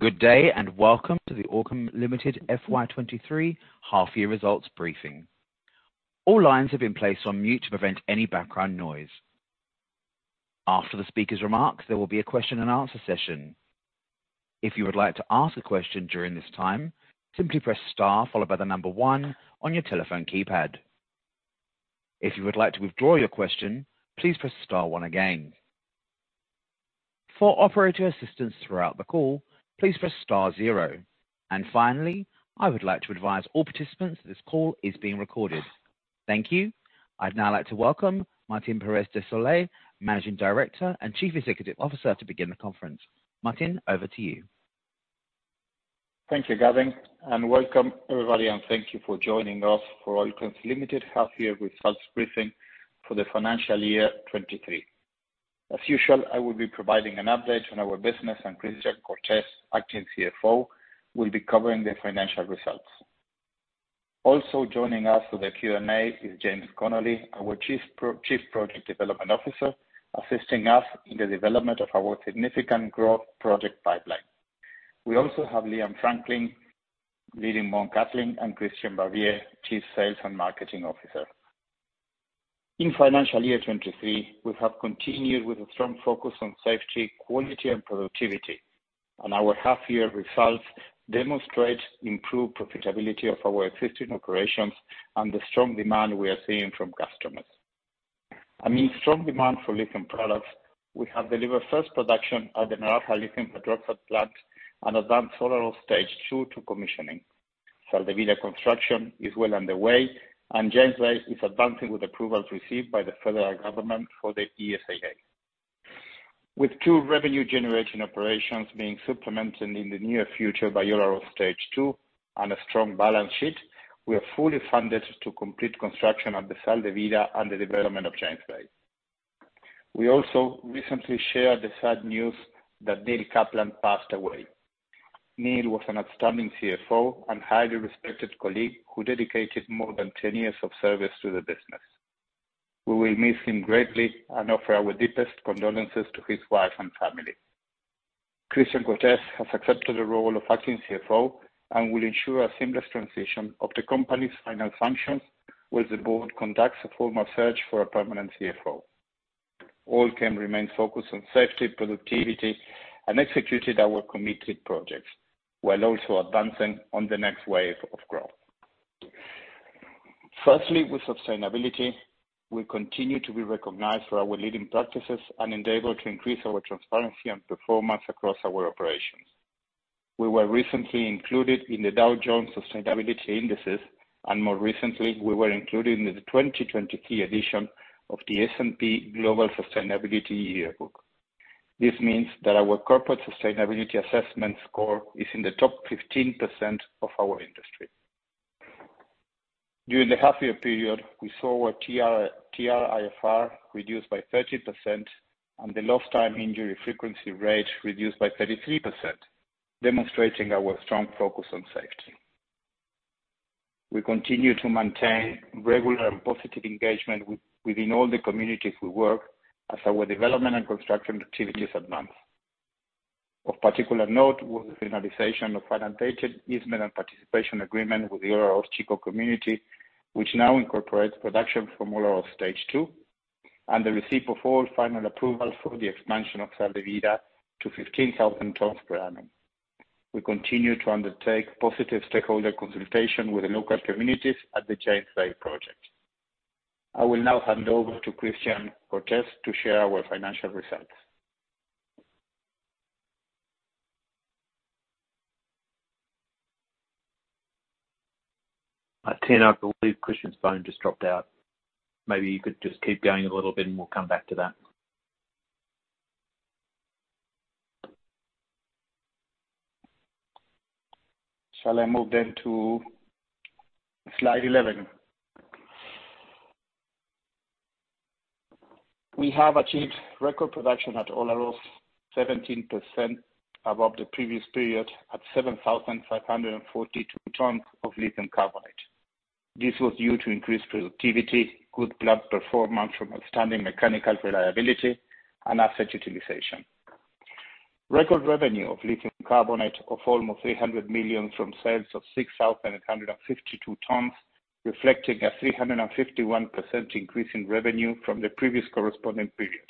Good day, welcome to the Allkem Limited FY 2023 half-year results briefing. All lines have been placed on mute to prevent any background noise. After the speaker's remarks, there will be a question-and-answer session. If you would like to ask a question during this time, simply press star followed by one on your telephone keypad. If you would like to withdraw your question, please press star one again. For operator assistance throughout the call, please press star zero. Finally, I would like to advise all participants that this call is being recorded. Thank you. I'd now like to welcome Martín Pérez de Solay, Managing Director and Chief Executive Officer, to begin the conference. Martín, over to you. Thank you, Gavin. Welcome, everybody, and thank you for joining us for Allkem Limited half-year results briefing for the financial year 2023. As usual, I will be providing an update on our business. Christian Cortes, Acting CFO, will be covering the financial results. Also joining us for the Q&A is James Connolly, our Chief Project Development Officer, assisting us in the development of our significant growth project pipeline. We also have Liam Franklyn, leading Mt Cattlin, and Christian Barbier, Chief Sales & Marketing Officer. In financial year 2023, we have continued with a strong focus on safety, quality, and productivity. Our half-year results demonstrate improved profitability of our existing operations and the strong demand we are seeing from customers. Amid strong demand for lithium products, we have delivered first production at the Naraha Lithium Hydroxide Plant and advanced Olaroz Stage 2 to commissioning. Sal de Vida construction is well underway. James Bay is advancing with approvals received by the federal government for the ESIA. With two revenue generation operations being supplemented in the near future by Olaroz stage 2 and a strong balance sheet, we are fully funded to complete construction at the Sal de Vida and the development of James Bay. We recently shared the sad news that Neil Kaplan passed away. Neil was an outstanding CFO and highly respected colleague who dedicated more than 10 years of service to the business. We will miss him greatly and offer our deepest condolences to his wife and family. Christian Cortes has accepted the role of acting CFO and will ensure a seamless transition of the company's finance functions, while the board conducts a formal search for a permanent CFO. Allkem remains focused on safety, productivity, and executing our committed projects, while also advancing on the next wave of growth. Firstly, with sustainability, we continue to be recognized for our leading practices and endeavor to increase our transparency and performance across our operations. We were recently included in the Dow Jones Sustainability Indices, and more recently, we were included in the 2020 edition of the S&P Global Sustainability Yearbook. This means that our Corporate Sustainability Assessment score is in the top 15% of our industry. During the half-year period, we saw our TRIFR reduced by 30% and the lost time injury frequency rate reduced by 33%, demonstrating our strong focus on safety. We continue to maintain regular and positive engagement within all the communities we work as our development and construction activities advance. Of particular note was the finalization of an updated easement and participation agreement with the Olaroz Chico community, which now incorporates production from Olaroz Stage 2 and the receipt of all final approval for the expansion of Sal de Vida to 15,000 tons per annum. We continue to undertake positive stakeholder consultation with the local communities at the Giant's Blade project. I will now hand over to Christian Cortes to share our financial results. Martín, I believe Christian's phone just dropped out. Maybe you could just keep going a little bit, and we'll come back to that. Shall I move to slide 11? We have achieved record production at Olaroz, 17% above the previous period at 7,542 tons of lithium carbonate. This was due to increased productivity, good plant performance from outstanding mechanical reliability, and asset utilization. Record revenue of lithium carbonate of almost $300 million from sales of 6,852 tons, reflecting a 351% increase in revenue from the previous corresponding period,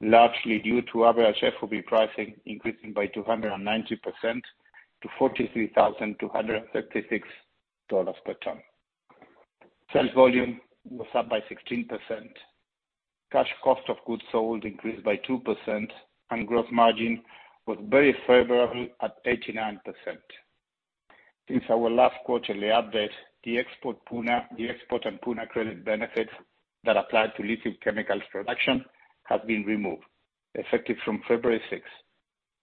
largely due to average FOB pricing increasing by 290% to $43,236 per ton. Sales volume was up by 16%, cash cost of goods sold increased by 2%, gross margin was very favorable at 89%. Since our last quarterly update, the export and Puna credit benefit that applied to lithium chemicals production has been removed, effective from February 6th.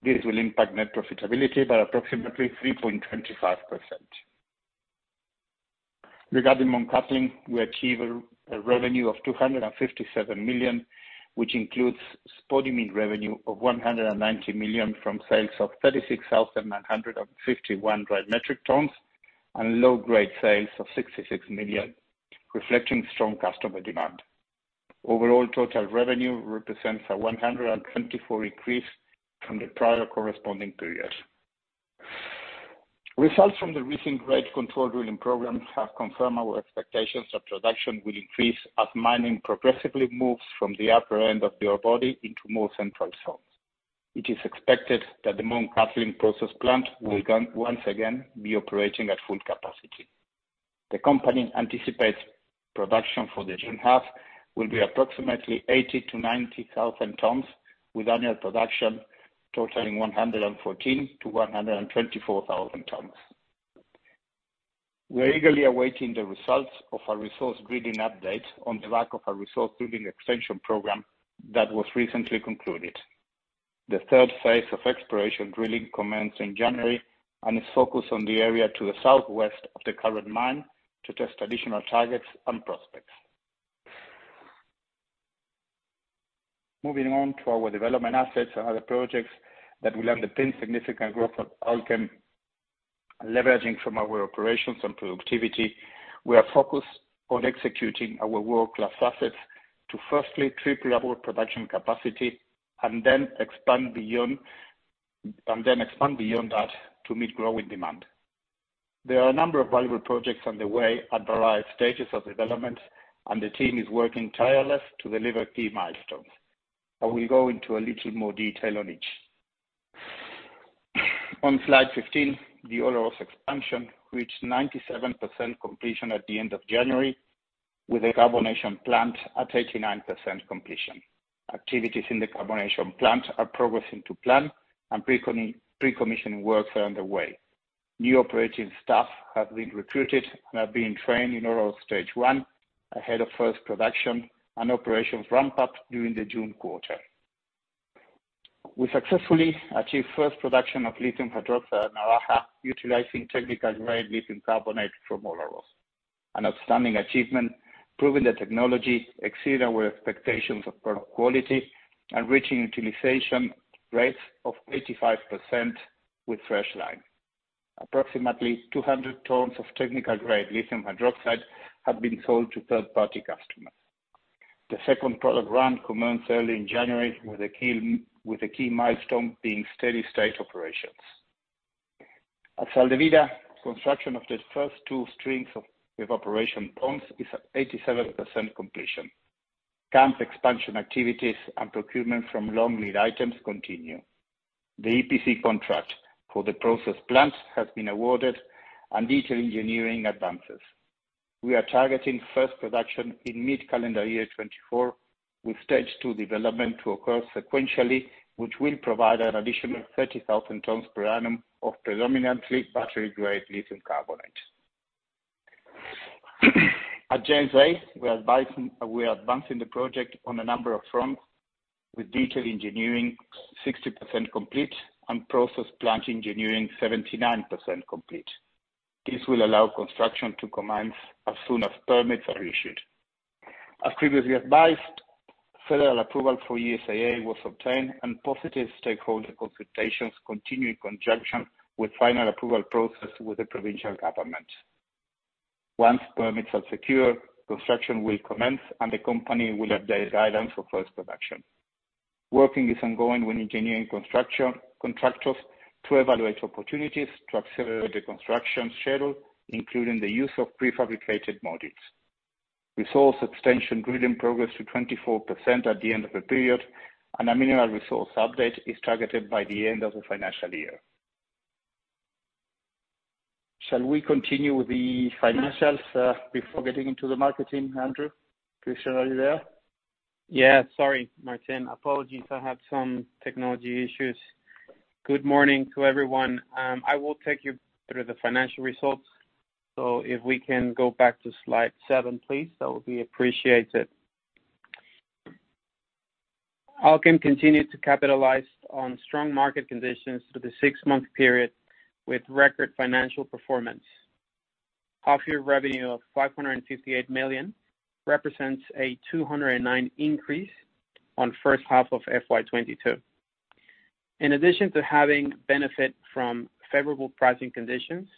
This will impact net profitability by approximately 3.25%. Regarding Mt Cattlin, we achieved a revenue of $257 million, which includes spodumene revenue of $190 million from sales of 36,951 dry metric tonnes. low-grade sales of $66 million, reflecting strong customer demand. Overall, total revenue represents a 124% increase from the prior corresponding period. Results from the recent grade control drilling program have confirmed our expectations that production will increase as mining progressively moves from the upper end of the ore body into more central zones. It is expected that the Mt Cattlin process plant will once again be operating at full capacity. The company anticipates production for the June half will be approximately 80,000-90,000 tons, with annual production totaling 114,000-124,000 tons. We are eagerly awaiting the results of our resource grading update on the back of our resource drilling extension program that was recently concluded. The third phase of exploration drilling commenced in January and is focused on the area to the southwest of the current mine to test additional targets and prospects. Moving on to our development assets and other projects that will underpin significant growth of Allkem, leveraging from our operations and productivity, we are focused on executing our world-class assets to firstly triple our production capacity and then expand beyond that to meet growing demand. There are a number of valuable projects on the way at various stages of development, and the team is working tirelessly to deliver key milestones. I will go into a little more detail on each. On slide 15, the Olaroz expansion reached 97% completion at the end of January, with the carbonation plant at 89% completion. Activities in the carbonation plant are progressing to plan and precommissioning works are underway. New operating staff have been recruited and are being trained in Olaroz stage 1 ahead of first production and operations ramp up during the June quarter. We successfully achieved first production of lithium hydroxide at Naraha, utilizing technical-grade lithium carbonate from Olaroz. An outstanding achievement, proving the technology exceeded our expectations of product quality and reaching utilization rates of 85% with fresh line. Approximately 200 tons of technical-grade lithium hydroxide have been sold to third-party customers. The second product run commenced early in January with a key milestone being steady state operations. At Sal de Vida, construction of the first two strings of evaporation ponds is at 87% completion. Camp expansion activities and procurement from long lead items continue. The EPC contract for the process plant has been awarded and detailed engineering advances. We are targeting first production in mid-calendar year 2024, with stage 2 development to occur sequentially, which will provide an additional 30,000 tons per annum of predominantly battery-grade lithium carbonate. At James Bay, we are advancing the project on a number of fronts with detailed engineering 60% complete and process plant engineering 79% complete. This will allow construction to commence as soon as permits are issued. As previously advised, federal approval for ESIA was obtained and positive stakeholder consultations continue in conjunction with final approval process with the provincial government. Once permits are secure, construction will commence and the company will update guidance for first production. Working is ongoing with engineering construction-contractors to evaluate opportunities to accelerate the construction schedule, including the use of prefabricated modules. Resource extension grading progress to 24% at the end of the period and a mineral resource update is targeted by the end of the financial year. Shall we continue with the financials before getting into the marketing, Andrew? Christian, are you there? Sorry, Martin. Apologies, I had some technology issues. Good morning to everyone. I will take you through the financial results. If we can go back to slide 7, please, that would be appreciated. Allkem continued to capitalize on strong market conditions through the six-month period with record financial performance. Half-year revenue of $558 million represents a 209% increase on first half of FY 2022. In addition to having benefit from favorable pricing conditions,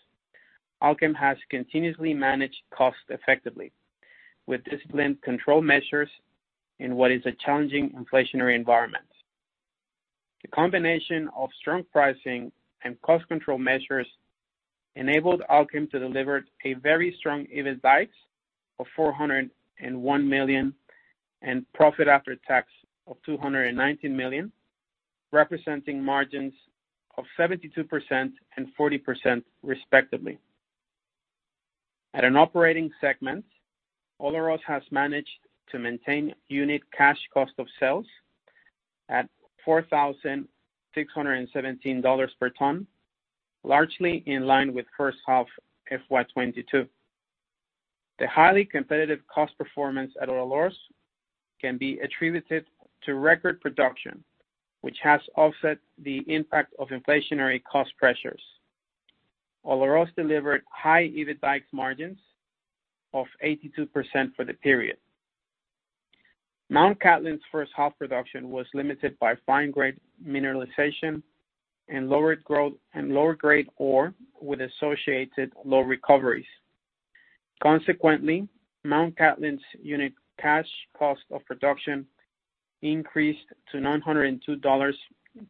Allkem has continuously managed costs effectively with disciplined control measures in what is a challenging inflationary environment. The combination of strong pricing and cost control measures enabled Allkem to deliver a very strong EBITDA of $401 million and profit after tax of $219 million, representing margins of 72% and 40% respectively. At an operating segment, Olaroz has managed to maintain unit cash cost of sales at $4,617 per ton, largely in line with first half FY 2022. The highly competitive cost performance at Olaroz can be attributed to record production, which has offset the impact of inflationary cost pressures. Olaroz delivered high EBITDA margins of 82% for the period. Mt Cattlin's first half production was limited by fine grade mineralization and lowered growth and lower grade ore with associated low recoveries. Consequently, Mt Cattlin's unit cash cost of production increased to $902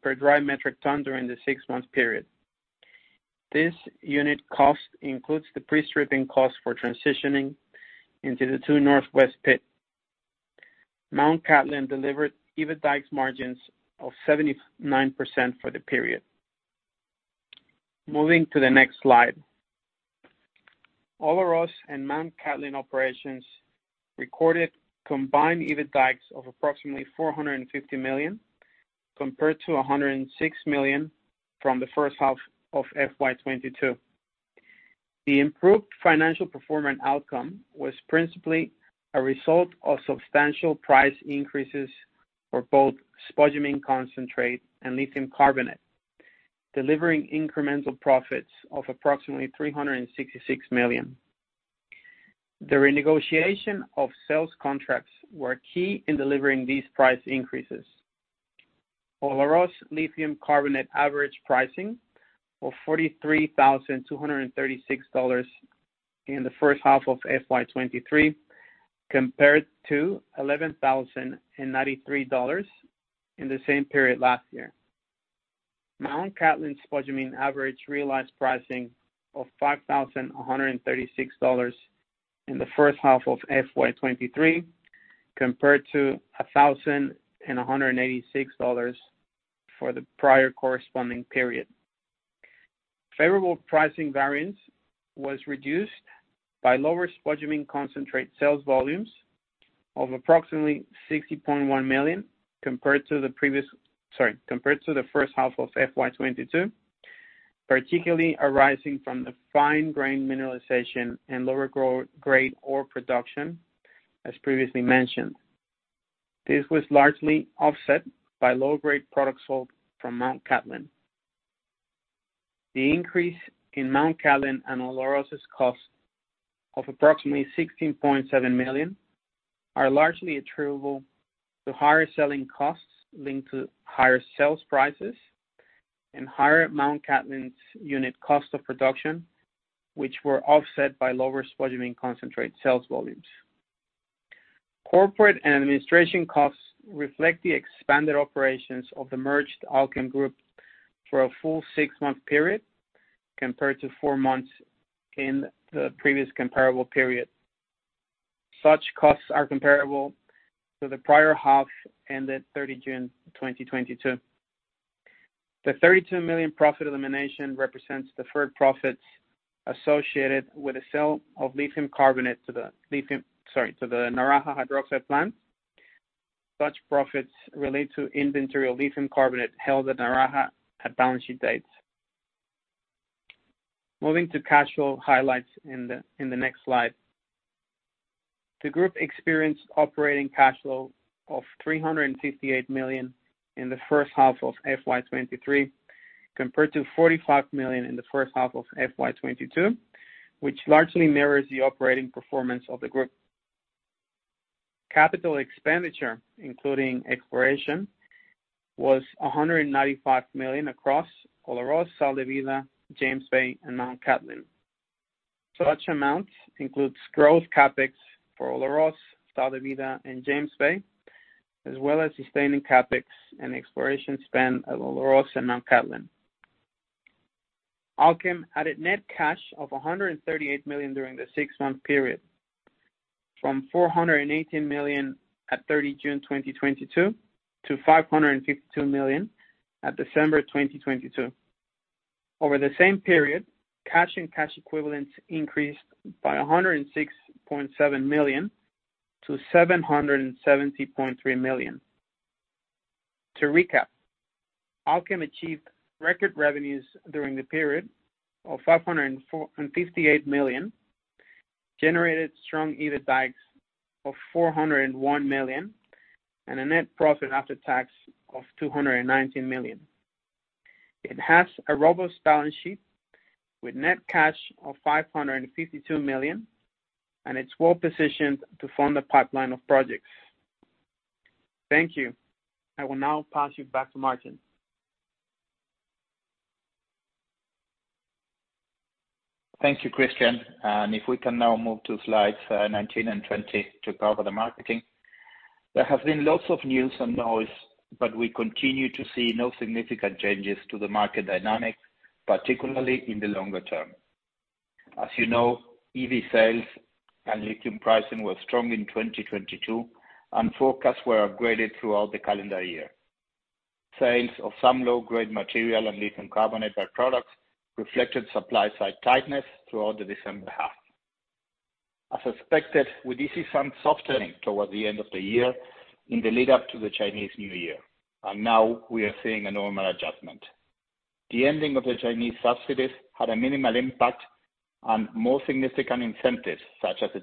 per dry metric ton during the six-month period. This unit cost includes the pre-stripping cost for transitioning into the 2NW pit. Mt Cattlin delivered EBITDAX margins of 79% for the period. Moving to the next slide. Olaroz and Mt Cattlin operations recorded combined EBITDAX of approximately $450 million, compared to $106 million from the first half of FY 2022. The improved financial performance outcome was principally a result of substantial price increases for both spodumene concentrate and lithium carbonate, delivering incremental profits of approximately $366 million. The renegotiation of sales contracts were key in delivering these price increases. Olaroz lithium carbonate average pricing of $43,236 in the first half of FY 2023, compared to $11,093 in the same period last year. Mt Cattlin spodumene average realized pricing of $5,136 in the first half of FY 2023, compared to $1,186 for the prior corresponding period. Favorable pricing variance was reduced by lower spodumene concentrate sales volumes of approximately $60.1 million, sorry, compared to the first half of FY 2022, particularly arising from the fine-grained mineralization and lower grade ore production, as previously mentioned. This was largely offset by low-grade products sold from Mt Cattlin. The increase in Mt Cattlin and Olaroz's cost of approximately $16.7 million are largely attributable to higher selling costs linked to higher sales prices and higher Mt Cattlin's unit cost of production, which were offset by lower spodumene concentrate sales volumes. Corporate and administration costs reflect the expanded operations of the merged Allkem Group for a full six-month period, compared to four months in the previous comparable period. Such costs are comparable to the prior half and at 30 June 2022. The $32 million profit elimination represents the third profits associated with the sale of lithium carbonate to the lithium, sorry, to the Naraha Lithium Hydroxide Plant. Such profits relate to inventory of lithium carbonate held at Naraha at balance sheet dates. Moving to cash flow highlights in the next slide. The group experienced operating cash flow of $358 million in the first half of FY 2023, compared to $45 million in the first half of FY 2022, which largely mirrors the operating performance of the group. Capital expenditure, including exploration, was $195 million across Olaroz, Sal de Vida, James Bay, and Mt Cattlin. Such amounts includes growth CapEx for Olaroz, Sal de Vida, and James Bay, as well as sustaining CapEx and exploration spend at Olaroz and Mt Cattlin. Allkem added net cash of $138 million during the six-month period, from $418 million at June 30, 2022 to $552 million at December 2022. Over the same period, cash and cash equivalents increased by $106.7 million to $770.3 million. To recap, Allkem achieved record revenues during the period of $558 million, generated strong EBITDAX of $401 million, and a net profit after tax of $219 million. It has a robust balance sheet with net cash of $552 million, and it's well-positioned to fund the pipeline of projects. Thank you. I will now pass you back to Martín. Thank you, Christian. If we can now move to slides 19 and 20 to cover the marketing. There have been lots of news and noise, but we continue to see no significant changes to the market dynamics, particularly in the longer-term. As you know, EV sales and lithium pricing were strong in 2022, and forecasts were upgraded throughout the calendar year. Sales of some low-grade material and lithium carbonate byproducts reflected supply side tightness throughout the December half. As expected, we did see some softening towards the end of the year in the lead-up to the Chinese New Year, and now we are seeing a normal adjustment. The ending of the Chinese subsidies had a minimal impact. More significant incentives such as the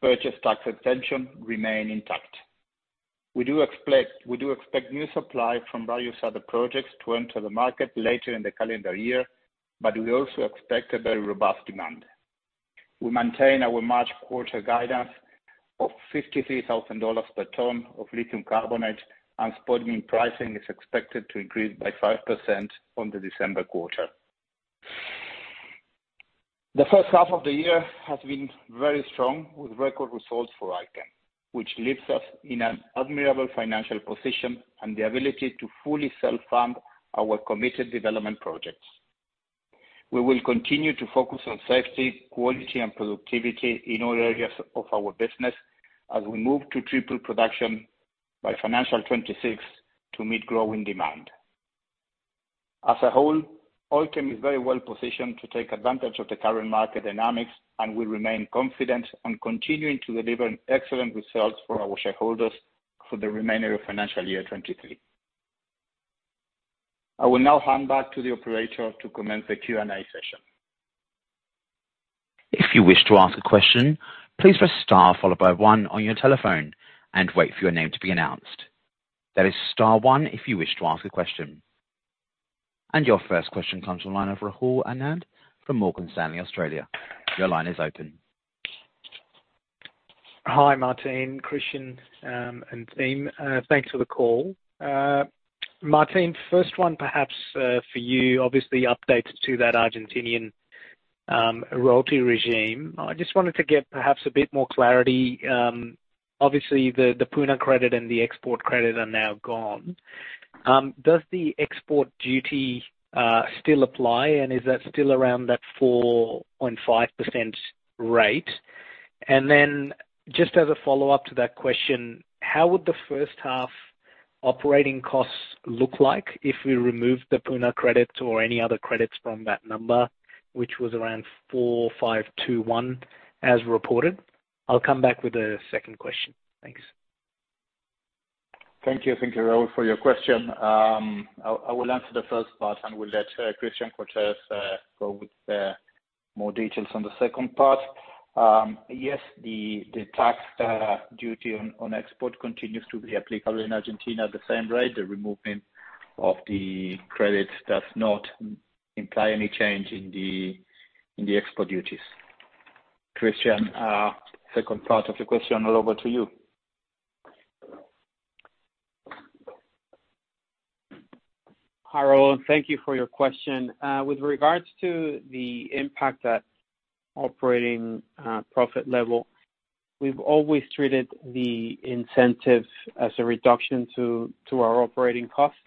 purchase tax exemption remain intact. We do expect new supply from various other projects to enter the market later in the calendar year. We also expect a very robust demand. We maintain our March quarter guidance of $53,000 per ton of lithium carbonate and spodumene pricing is expected to increase by five percent on the December quarter. The first half of the year has been very strong, with record results for Allkem, which leaves us in an admirable financial position and the ability to fully self-fund our committed development projects. We will continue to focus on safety, quality and productivity in all areas of our business as we move to triple production by financial 2026 to meet growing demand. As a whole, Allkem is very well positioned to take advantage of the current market dynamics, and we remain confident on continuing to deliver excellent results for our shareholders for the remainder of financial year 2023. I will now hand back to the operator to commence the Q&A session. If you wish to ask a question, please press star followed by one on your telephone and wait for your name to be announced. That is star one if you wish to ask a question. Your first question comes on the line of Rahul Anand from Morgan Stanley, Australia. Your line is open. Hi, Martín, Christian, and team. Thanks for the call. Martín, first one perhaps for you, obviously updates to that Argentine royalty regime. I just wanted to get perhaps a bit more clarity, obviously the Puna credit and the export credit are now gone. Does the export duty still apply and is that still around that 4.5% rate? Just as a follow-up to that question, how would the first half operating costs look like if we removed the Puna credit or any other credits from that number, which was around $4,521 as reported? I'll come back with a second question. Thanks. Thank you. Thank you, Rahul, for your question. I will answer the first part and will let Christian Cortes go with more details on the second part. Yes, the tax duty on export continues to be applicable in Argentina at the same rate. The removing of the credits does not imply any change in the export duties. Christian, second part of your question over to you. Hi, Rahul. Thank you for your question. With regards to the impact at operating profit level, we've always treated the incentives as a reduction to our operating costs,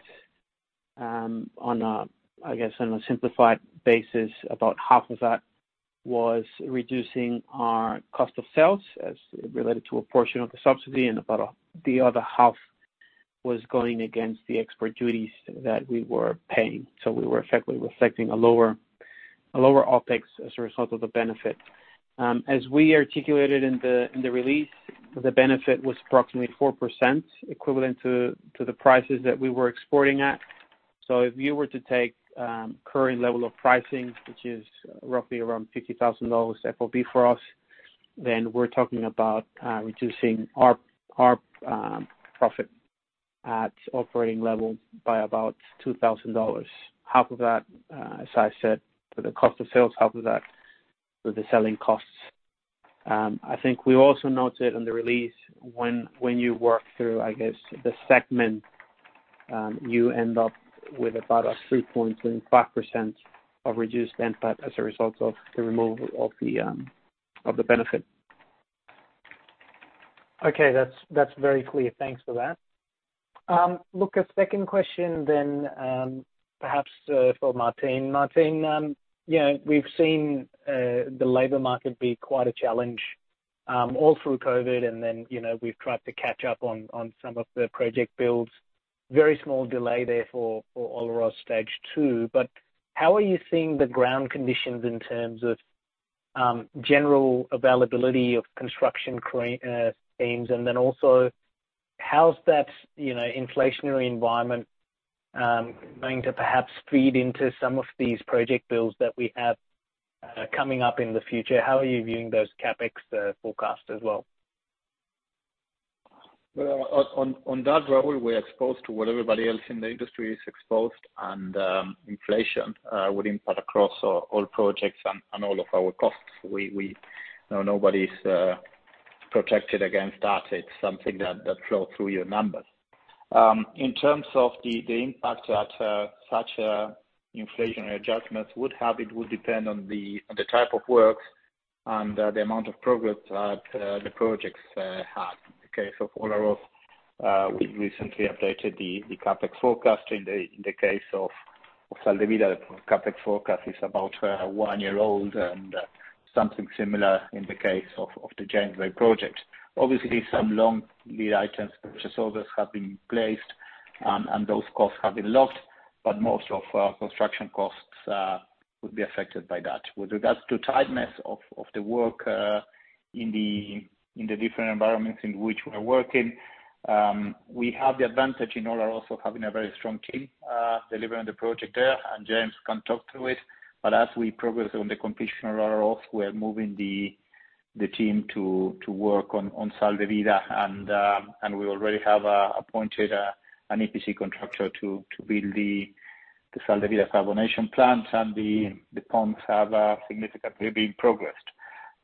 on a, I guess, on a simplified basis. About half of that was reducing our cost of sales as related to a portion of the subsidy, and about the other half was going against the export duties that we were paying. We were effectively reflecting a lower OpEx as a result of the benefit. As we articulated in the release, the benefit was approximately four percent equivalent to the prices that we were exporting at. If you were to take current level of pricing, which is roughly around $50,000 FOB for us, we're talking about reducing our profit at operating level by about $2,000. Half of that, as I said, for the cost of sales, half of that for the selling costs. I think we also noted on the release when you work through, I guess, the segment, you end up with about a 3.5% of reduced NPAT as a result of the removal of the benefit. That's very clear. Thanks for that. A second question perhaps for Martin. Martin, you know, we've seen the labor market be quite a challenge all through COVID and then, you know, we've tried to catch up on some of the project builds. Very small delay there for Olaroz stage 2. How are you seeing the ground conditions in terms of general availability of construction cranes, and then also how's that, you know, inflationary environment going to perhaps feed into some of these project builds that we have coming up in the future? How are you viewing those CapEx forecasts as well? Well, on that, Rahul, we're exposed to what everybody else in the industry is exposed. Inflation would impact across all projects and all of our costs. No, nobody's protected against that. It's something that flow through your numbers. In terms of the impact that such inflationary adjustments would have, it would depend on the type of work and the amount of progress that the projects have. In the case of Olaroz, we recently updated the CapEx forecast. In the case of Sal de Vida, CapEx forecast is about one year old and something similar in the case of the James Bay project. Obviously, some long lead items, purchase orders have been placed, and those costs have been locked, but most of our construction costs would be affected by that. With regards to timeliness of the work in the different environments in which we're working, we have the advantage in Olaroz of having a very strong team delivering the project there, and James can talk to it. As we progress on the completion of Olaroz, we are moving the team to work on Sal de Vida. We already have appointed an EPC contractor to build the Sal de Vida carbonation plant and the pumps have significantly been progressed.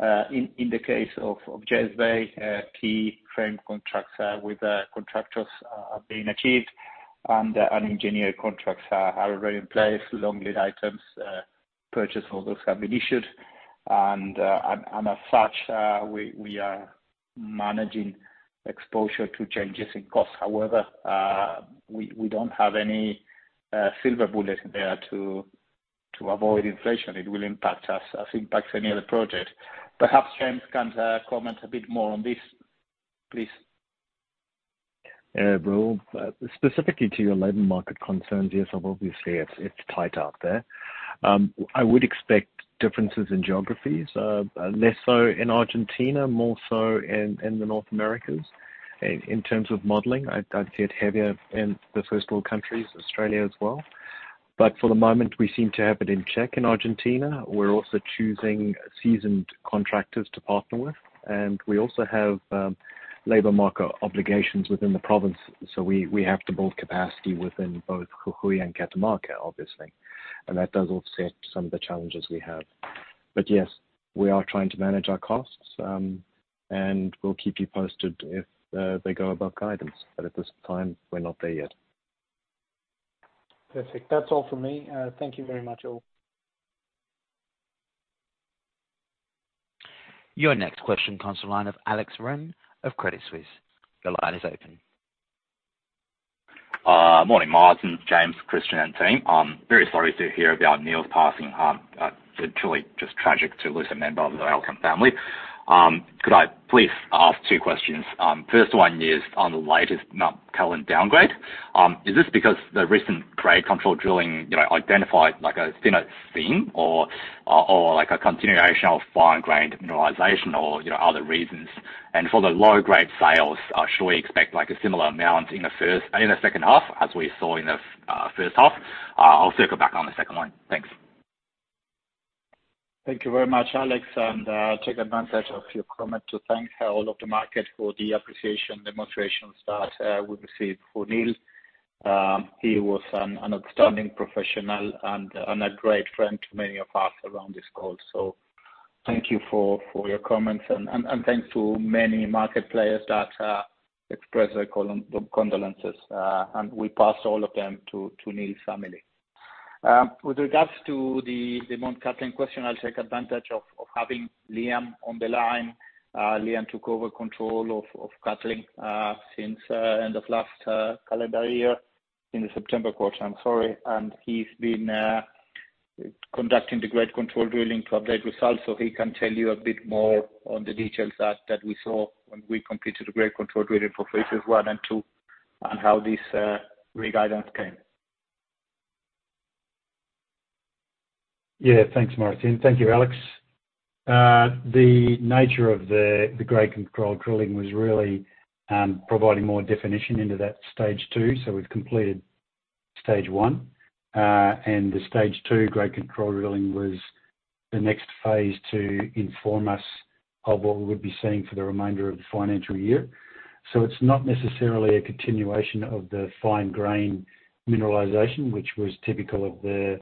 In the case of James Bay, key frame contracts with contractors are being achieved and engineer contracts are already in place. Long lead items, purchase orders have been issued. As such, we are managing exposure to changes in costs. However, we don't have any silver bullet there to avoid inflation. It will impact us as impacts any other project. Perhaps James can comment a bit more on this, please. Yeah, Rahul. Specifically to your labor market concerns, yes, obviously, it's tight out there. I would expect differences in geographies, less so in Argentina, more so in North Americas. In terms of modeling, I'd see it heavier in the first-world countries, Australia as well. For the moment, we seem to have it in check in Argentina. We're also choosing seasoned contractors to partner with, we also have labor market obligations within the province, so we have to build capacity within both Jujuy and Catamarca, obviously. That does offset some of the challenges we have. Yes, we are trying to manage our costs, and we'll keep you posted if they go above guidance. At this time, we're not there yet. Perfect. That's all for me. Thank you very much, all. Your next question comes to line of Alex Ren of Credit Suisse. Your line is open. Morning, Martin, James, Christian, and team. I'm very sorry to hear about Neil's passing. Literally just tragic to lose a member of the Allkem family. Could I please ask two questions? First one is on the latest Mt Cattlin downgrade. Is this because the recent grade control drilling, you know, identified like a thinner seam or like a continuation of fine grain mineralization or, you know, other reasons? For the low-grade sales, should we expect like a similar amount in the second half as we saw in the first half? I'll circle back on the second one. Thanks. Thank you very much, Alex. Take advantage of your comment to thank all of the market for the appreciation demonstrations that we received for Neil. He was an outstanding professional and a great friend to many of us around this call. Thank you for your comments and thanks to many market players that expressed their condolences, and we pass all of them to Neil's family. With regards to the Mt Cattlin question, I'll take advantage of having Liam on the line. Liam took over control of Mt Cattlin, since end of last calendar year. In the September quarter, I'm sorry. He's been conducting the grade control drilling to update results, so he can tell you a bit more on the details that we saw when we completed the grade control drilling for phases one and two and how this re-guidance came. Yeah. Thanks, Martín. Thank you, Alex. The nature of the grade control drilling was really providing more definition into that stage 2. We've completed stage 1. The stage 2. Grade control drilling was the next phase to inform us of what we would be seeing for the remainder of the financial year. It's not necessarily a continuation of the fine grain mineralization, which was typical of the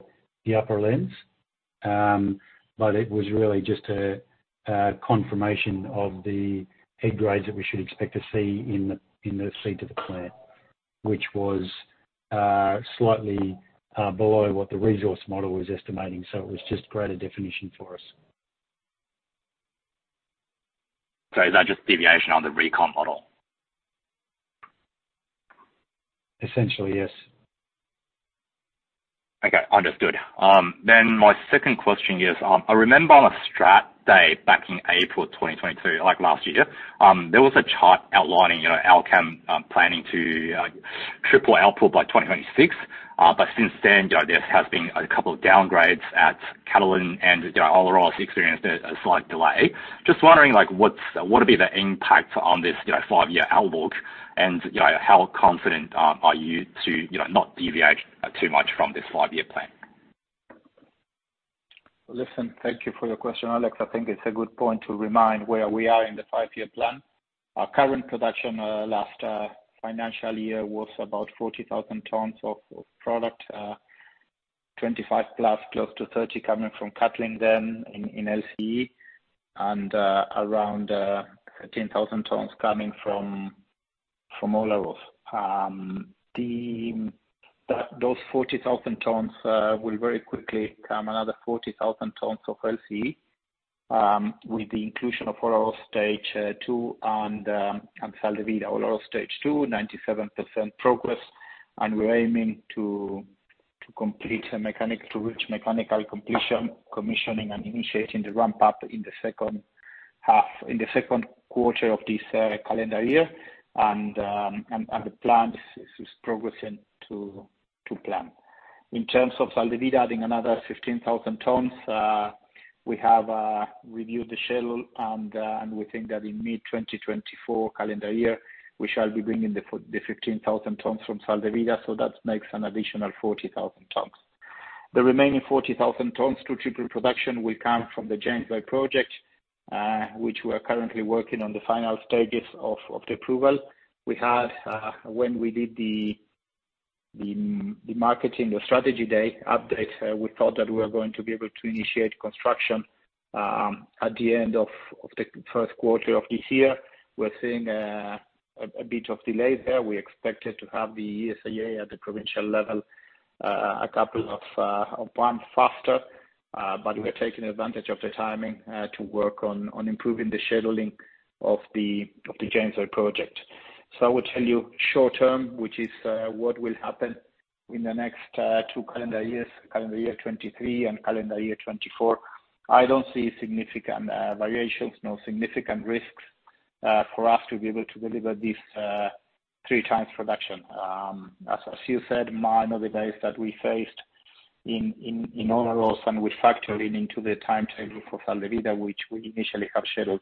upper lens. It was really just a confirmation of the head grades that we should expect to see in the feed to the plant, which was slightly below what the resource model was estimating. It was just greater definition for us. Is that just deviation on the recom model? Essentially, yes. Okay, understood. My second question is, I remember on a Strat day back in April 2022, like last year, there was a chart outlining, you know, Allkem, planning to, like, triple output by 2026. Since then, you know, there has been a couple of downgrades at Catlin and, you know, Olaroz experienced a slight delay. Just wondering, like, what would be the impact on this, you know, five-year outlook and, you know, how confident are you to, you know, not deviate too much from this five-year plan? Listen, thank you for your question, Alex. I think it's a good point to remind where we are in the five-year plan. Our current production last financial year was about 40,000 tons of product. 25 plus, close to 30 coming from Catlin then in LCE and around 13,000 tons coming from Olaroz. Those 40,000 tons will very quickly become another 40,000 tons of LCE with the inclusion of Olaroz Stage 2 and Sal de Vida. Olaroz Stage 2, 97% progress. We're aiming to reach mechanical completion, commissioning, and initiating the ramp-up in the second half, in the second quarter of this calendar year and the plan is progressing to plan. In terms of Sal de Vida adding another 15,000 tons, we have reviewed the schedule and we think that in mid 2024 calendar year, we shall be bringing the 15,000 tons from Sal de Vida, so that makes an additional 40,000 tons. The remaining 40,000 tons to triple production will come from the James Bay project, which we are currently working on the final stages of the approval. We had, when we did the marketing, the strategy day update, we thought that we were going to be able to initiate construction at the end of the first quarter of this year. We're seeing a bit of delay there. We expected to have the ESIA at the provincial level, a couple of months faster, but we're taking advantage of the timing to work on improving the scheduling of the James Bay project. I will tell you short-term, which is what will happen in the next two calendar years, calendar year 2023 and calendar year 2024, I don't see significant variations, no significant risks for us to be able to deliver this three times production. As you said, mine are the delays that we faced in owner roles, and we factor it into the timetable for Val-d'Or, which we initially have scheduled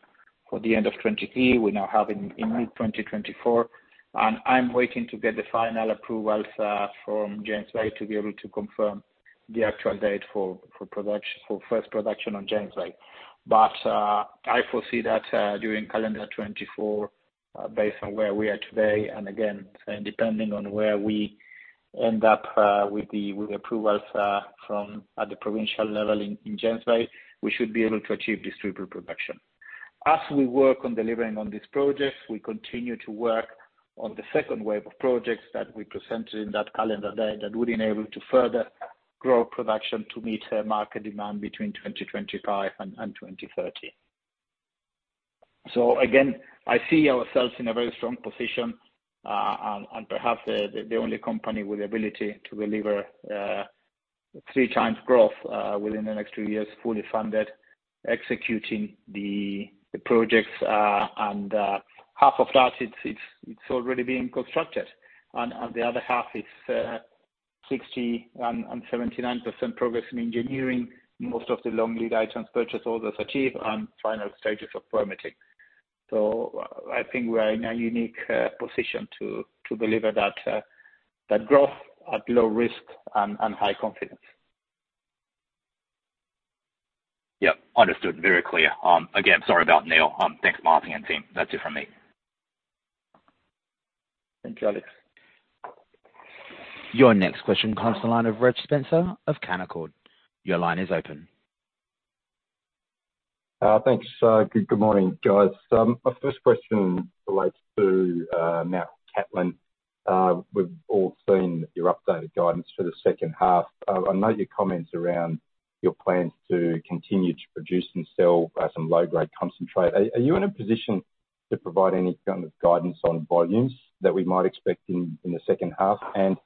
for the end of 2023. We now have in mid-2024. I'm waiting to get the final approvals from James Bay to be able to confirm the actual date for first production on James Bay. I foresee that during calendar 2024, based on where we are today, and depending on where we end up with approvals from at the provincial level in James Bay, we should be able to achieve this triple production. As we work on delivering on these projects, we continue to work on the second wave of projects that we presented in that calendar day that would enable to further grow production to meet the market demand between 2025 and 2030. Again, I see ourselves in a very strong position, and perhaps the only company with the ability to deliver three times growth within the next two years, fully funded, executing the projects. Half of that, it's already been constructed. The other half is 60% and 79% progress in engineering. Most of the long lead items purchase orders achieved and final stages of permitting. I think we are in a unique position to deliver that growth at low risk and high confidence. Yeah. Understood. Very clear. Again, sorry about Neil. Thanks Martín and team. That's it from me. Thank you, Alex. Your next question comes the line of Reg Spencer of Canaccord. Your line is open. Thanks, good morning, guys. My first question relates to Mt Cattlin. We've all seen your updated guidance for the second half. I know your comments around your plans to continue to produce and sell some low-grade concentrate. Are you in a position to provide any kind of guidance on volumes that we might expect in the second half? An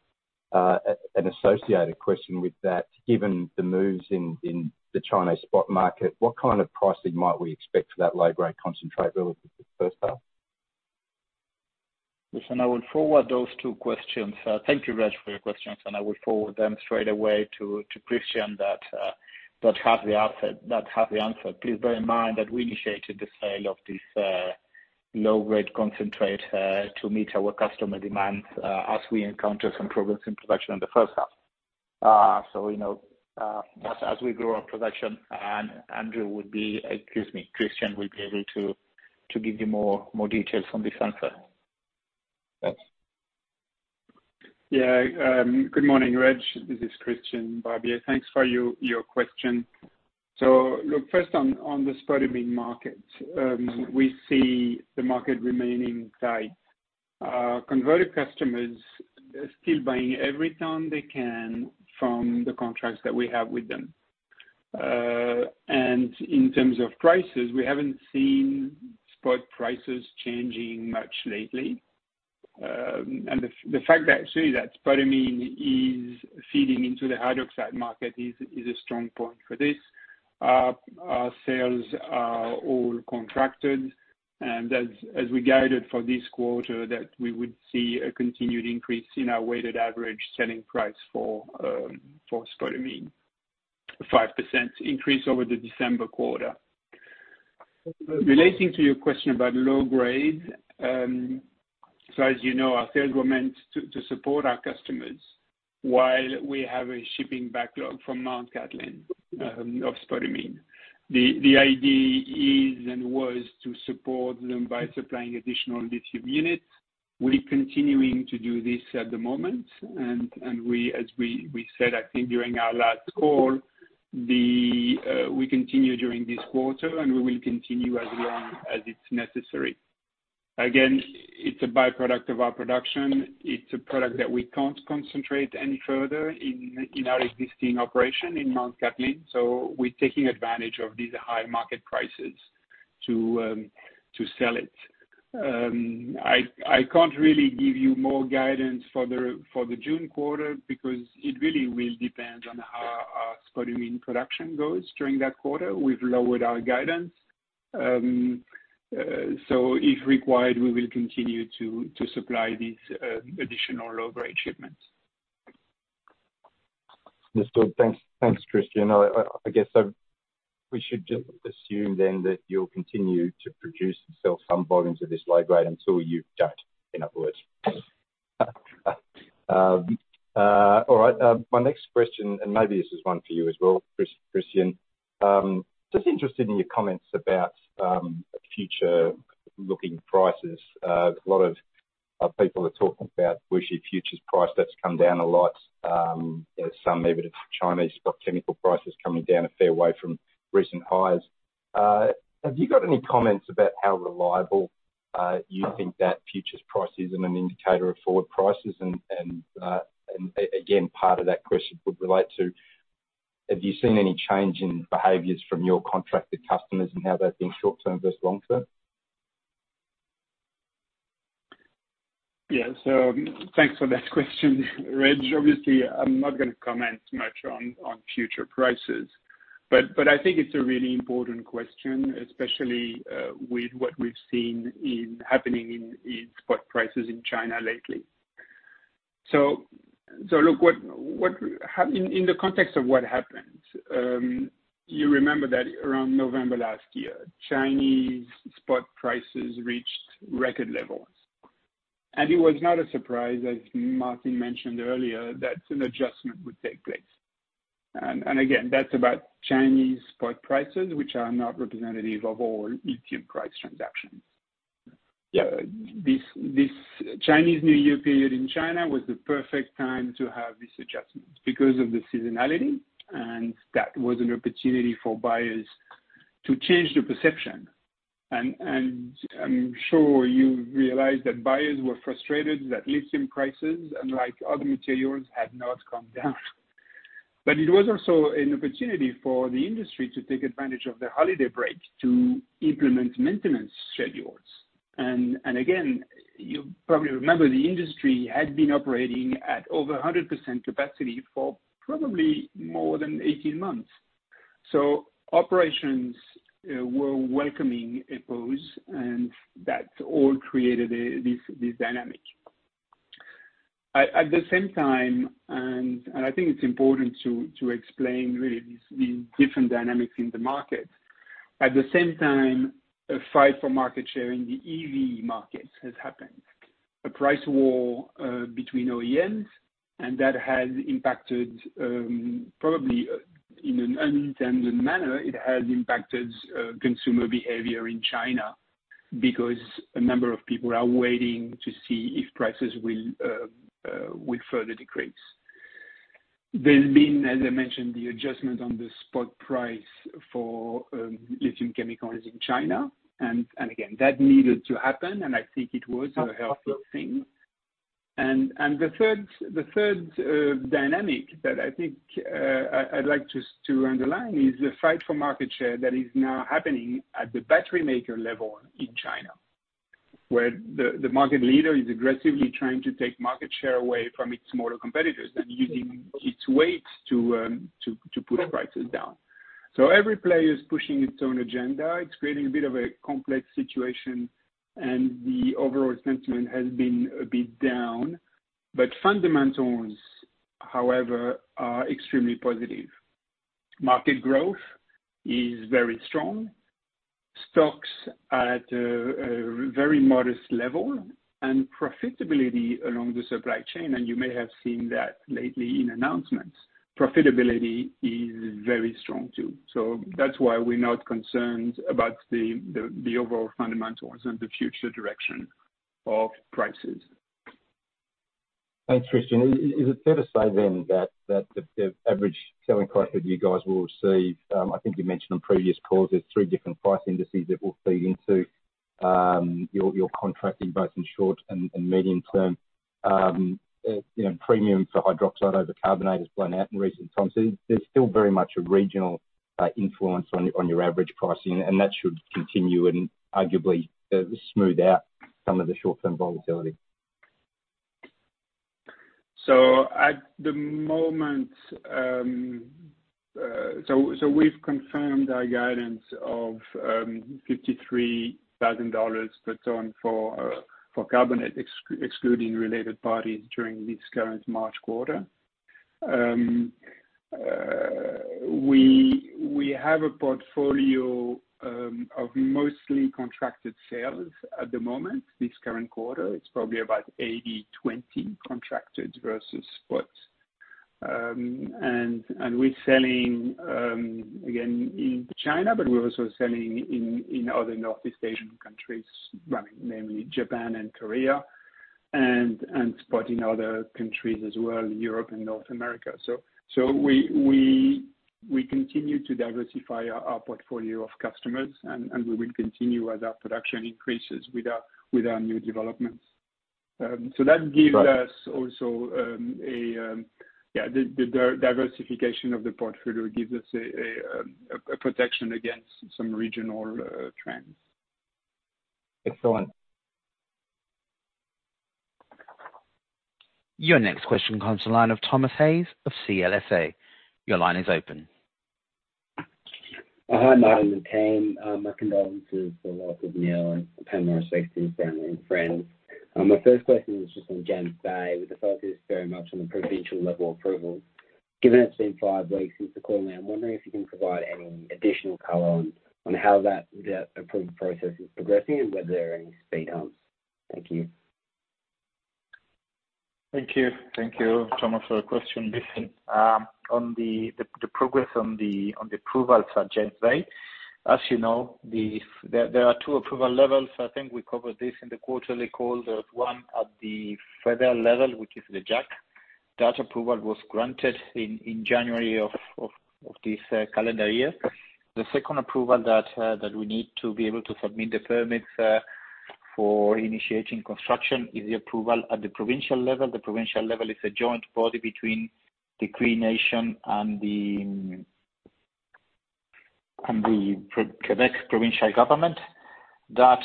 associated question with that, given the moves in the Chinese spot market, what kind of pricing might we expect for that low-grade concentrate relative to first half? Listen, I will forward those two questions. Thank you, Reg, for your questions, and I will forward them straight away to Christian that have the answer. Please bear in mind that we initiated the sale of this low-grade concentrate to meet our customer demands as we encounter some progress in production in the first half. You know, as we grow our production and Christian will be able to give you more, more details on this answer. Thanks. Good morning, Reg. This is Christian Barbier. Thanks for your question. Look, first on the spodumene market, we see the market remaining tight. Converted customers are still buying every tonne they can from the contracts that we have with them. In terms of prices, we haven't seen spot prices changing much lately. The fact actually that spodumene is feeding into the hydroxide market is a strong point for this. Our sales are all contracted, and as we guided for this quarter, that we would see a continued increase in our weighted average selling price for spodumene, five percentage increase over the December quarter. Relating to your question about low-grade, so as you know, our sales were meant to support our customers while we have a shipping backlog from Mt Cattlin, of spodumene. The idea is and was to support them by supplying additional lithium units. We're continuing to do this at the moment. We, as we said, I think during our last call, we continue during this quarter, and we will continue as long as it's necessary. Again, it's a by-product of our production. It's a product that we can't concentrate any further in our existing operation in Mt Cattlin, so we're taking advantage of these high market prices to sell it. I can't really give you more guidance for the June quarter because it really will depend on how our spodumene production goes during that quarter. We've lowered our guidance. If required, we will continue to supply these additional low-grade shipments. That's good. Thanks. Thanks, Christian. I guess we should just assume then that you'll continue to produce and sell some volumes of this low-grade until you don't, in other words. All right, my next question, and maybe this is one for you as well, Christian. Just interested in your comments about future looking prices. A lot of people are talking about spodumene futures price that's come down a lot. There's some evidence of Chinese stock technical prices coming down a fair way from recent highs. Have you got any comments about how reliable you think that futures price is an indicator of forward prices? Again, part of that question would relate to, have you seen any change in behaviors from your contracted customers and how they're thinking short-term versus long-term? Yeah. Thanks for that question, Reg. Obviously, I'm not gonna comment much on future prices. I think it's a really important question, especially with what we've seen happening in spot prices in China lately. Look, in the context of what happened, you remember that around November last year, Chinese spot prices reached record levels. It was not a surprise, as Martin mentioned earlier, that an adjustment would take place. Again, that's about Chinese spot prices, which are not representative of all lithium price transactions. Yeah, this Chinese New Year period in China was the perfect time to have this adjustment because of the seasonality, and that was an opportunity for buyers to change their perception. I'm sure you realize that buyers were frustrated that lithium prices, unlike other materials, had not come down. It was also an opportunity for the industry to take advantage of the holiday break to implement maintenance schedules. Again, you probably remember the industry had been operating at over 100% capacity for probably more than 18 months. Operations were welcoming a pause, and that all created this dynamic. At the same time, I think it's important to explain really these different dynamics in the market. At the same time, a fight for market share in the EV market has happened. A price war between OEMs, and that has impacted, probably, in an unintended manner, it has impacted consumer behavior in China because a number of people are waiting to see if prices will further decrease. There's been, as I mentioned, the adjustment on the spot price for lithium chemicals in China. Again, that needed to happen, and I think it was a healthy thing. The third, the third dynamic that I think I'd like to underline is the fight for market share that is now happening at the battery maker level in China, where the market leader is aggressively trying to take market share away from its smaller competitors and using its weight to put prices down. Every player is pushing its own agenda. It's creating a bit of a complex situation, and the overall sentiment has been a bit down. Fundamentals, however, are extremely positive. Market growth is very strong. Stocks at a very modest level. Profitability along the supply chain, and you may have seen that lately in announcements, profitability is very strong, too. That's why we're not concerned about the overall fundamentals and the future direction of prices. Thanks, Christian. Is it fair to say then that the average selling price that you guys will receive? I think you mentioned on previous calls, there's three different price indices that will feed into your contracting both in short and medium-term. You know, premium for hydroxide over carbonate has blown out in recent times. There's still very much a regional influence on your average pricing, and that should continue and arguably smooth out some of the short-term volatility. At the moment, we've confirmed our guidance of $53,000 per ton for carbonate excluding related parties during this current March quarter. We have a portfolio of mostly contracted sales at the moment this current quarter. It's probably about 80/20 contracted versus spot. We're selling again in China, but we're also selling in other Northeast Asian countries, namely Japan and Korea, and spot in other countries as well, Europe and North America. We continue to diversify our portfolio of customers and we will continue as our production increases with our new developments. That gives us also. Yeah, the diversification of the portfolio gives us a protection against some regional trends. Excellent. Your next question comes to line of Thomas Hayes of CLSA. Your line is open. Hi, Martin and team. My condolences for the loss of Neil and condolences to his family and friends. My first question was just on James Bay, with the focus very much on the provincial level approvals. Given it's been five weeks since the call now, I'm wondering if you can provide any additional color on how that, the approval process is progressing and whether there are any speed bumps. Thank you. Thank you. Thank you, Thomas, for your question. Listen, on the progress on the approvals at James Bay, as you know, there are two approval levels. I think we covered this in the quarterly call. There's one at the federal level, which is the JAC. That approval was granted in January of this calendar year. The 2nd approval that we need to be able to submit the permits for initiating construction is the approval at the provincial level. The provincial level is a joint body between the Cree Nation and the Quebec provincial government. That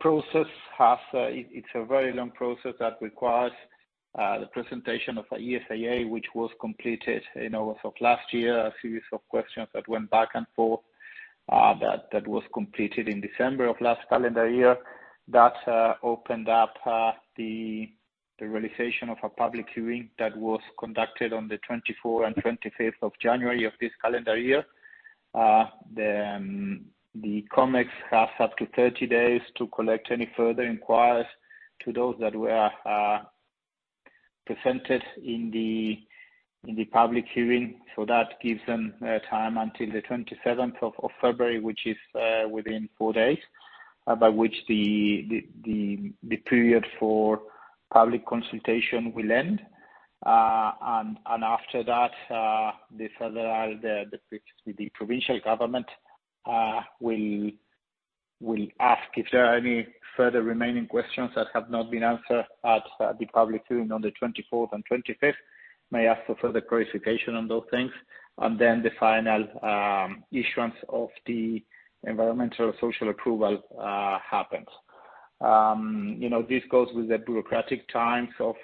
process has, it's a very long process that requires the presentation of a ESIA, which was completed in August of last year, a series of questions that went back and forth, that was completed in December of last calendar year. That opened up the realization of a public hearing that was conducted on the 24th and 25th of January of this calendar year. The COMEX have up to 30 days to collect any further inquiries to those that were presented in the public hearing. That gives them time until the 27th of February, which is within four days, by which the period for public consultation will end. After that, the federal, the provincial government will ask if there are any further remaining questions that have not been answered at the public hearing on the 24th and 25th, may ask for further clarification on those things. The final issuance of the environmental social approval happens. You know, this goes with the bureaucratic times of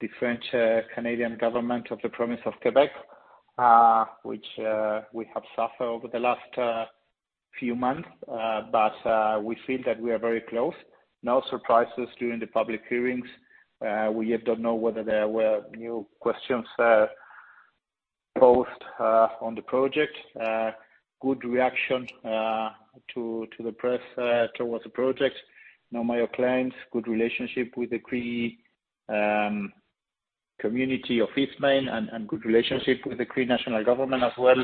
the French Canadian government of the province of Quebec, which we have suffered over the last few months. We feel that we are very close. No surprises during the public hearings. We yet don't know whether there were new questions posed on the project. Good reaction to the press towards the project. No major clients, good relationship with the Cree community of Eastmain and good relationship with the Cree Nation Government as well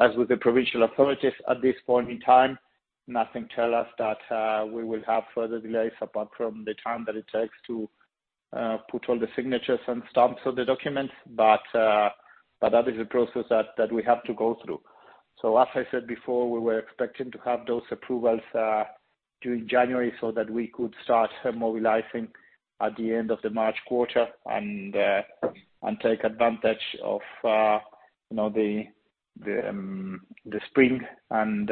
as with the provincial authorities at this point in time. Nothing tell us that we will have further delays apart from the time that it takes to put all the signatures and stamps on the documents. That is a process that we have to go through. As I said before, we were expecting to have those approvals during January so that we could start mobilizing at the end of the March quarter and take advantage of, you know, the spring and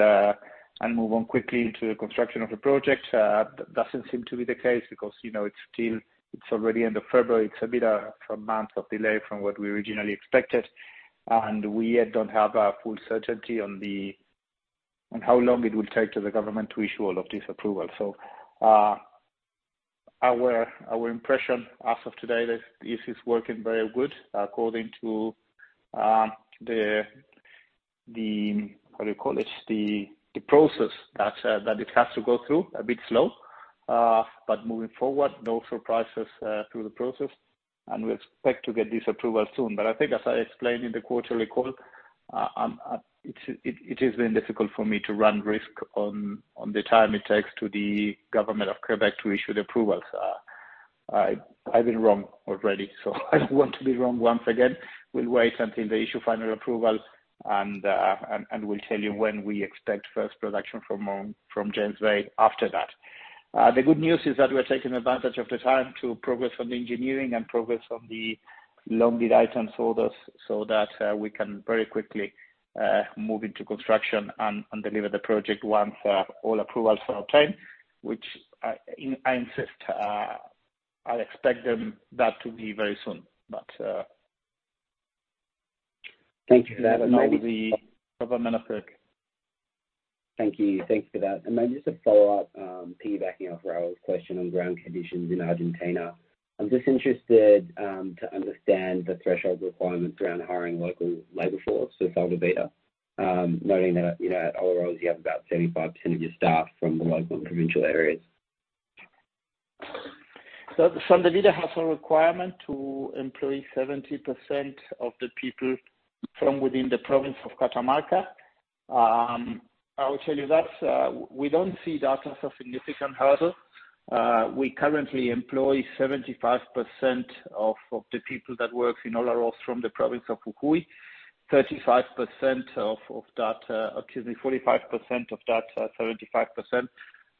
move on quickly to the construction of the project. That doesn't seem to be the case because, you know, it's still, it's already end of February. It's a bit a month of delay from what we originally expected, and we yet don't have a full certainty on how long it will take to the government to issue all of this approval. Our impression as of today is this is working very good according to the what do you call it? The process that it has to go through, a bit slow, but moving forward, no surprises through the process, and we expect to get this approval soon. I think as I explained in the quarterly call, it has been difficult for me to run risk on the time it takes to the government of Québec to issue the approvals. I've been wrong already. I don't want to be wrong once again. We'll wait until they issue final approval and we'll tell you when we expect first production from James Bay after that. The good news is that we're taking advantage of the time to progress on the engineering and progress on the long lead item orders so that we can very quickly move into construction and deliver the project once all approvals are obtained, which I insist, I'll expect them that to be very soon. Thank you for that. Now the government of Quebec. Thank you. Thanks for that. Maybe just a follow-up, piggybacking off Rahul's question on ground conditions in Argentina. I'm just interested to understand the threshold requirements around hiring local labor force for Sal de Vida, noting that, you know, at Olaroz you have about 75% of your staff from the local and provincial areas. Sal de Vida has a requirement to employ 70% of the people from within the province of Catamarca. I will tell you that we don't see that as a significant hurdle. We currently employ 75% of the people that work in Olaroz from the province of Jujuy. 35% of that, excuse me, 45% of that 75%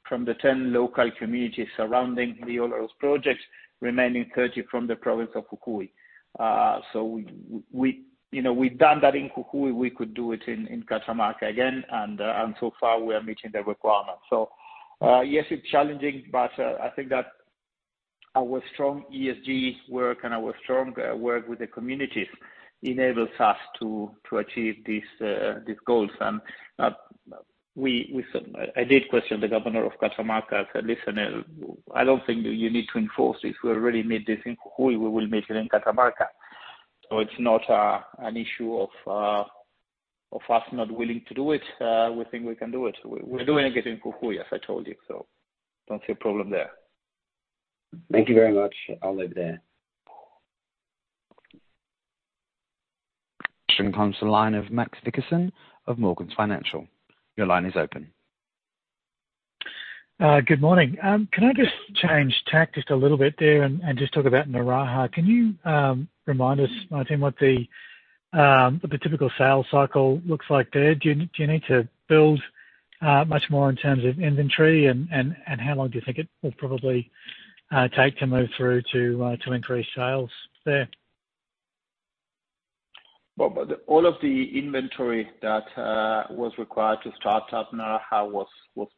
from the 10 local communities surrounding the Olaroz project, remaining 30 from the province of Jujuy. We, you know, we've done that in Jujuy. We could do it in Catamarca again, and so far we are meeting the requirements. Yes, it's challenging, but I think that our strong ESG work and our strong work with the communities enables us to achieve these goals. I did question the governor of Catamarca. I said, "Listen, I don't think you need to enforce this. We already made this in Jujuy, we will make it in Catamarca." It's not an issue of us not willing to do it. We think we can do it. We're doing it again in Jujuy, as I told you, don't see a problem there. Thank you very much. I'll leave there. Comes to the line of Max Dickinson of Morgan's Financial. Your line is open. Good morning. Can I just change tack just a little bit there and just talk about Naraha? Can you remind us, Martin, what the typical sales cycle looks like there? Do you need to build much more in terms of inventory and how long do you think it will probably take to move through to increase sales there? Well, all of the inventory that was required to start up Naraha was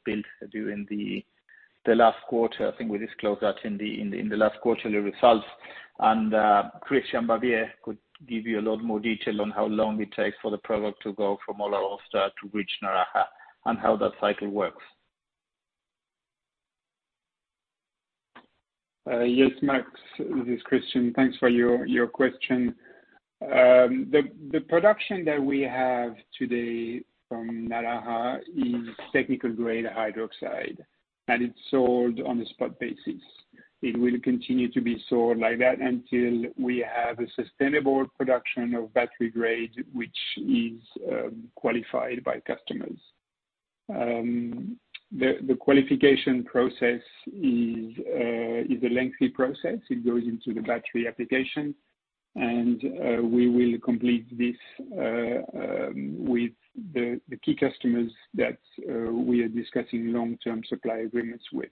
built during the last quarter. I think we disclosed that in the last quarterly results. Christian Barbier could give you a lot more detail on how long it takes for the product to go from Olaroz to reach Naraha and how that cycle works. Yes, Max, this is Christian. Thanks for your question. The production that we have today from Naraha is technical grade hydroxide, and it's sold on a spot basis. It will continue to be sold like that until we have a sustainable production of battery grade, which is qualified by customers. The qualification process is a lengthy process. It goes into the battery application. We will complete this with the key customers that we are discussing long-term supply agreements with.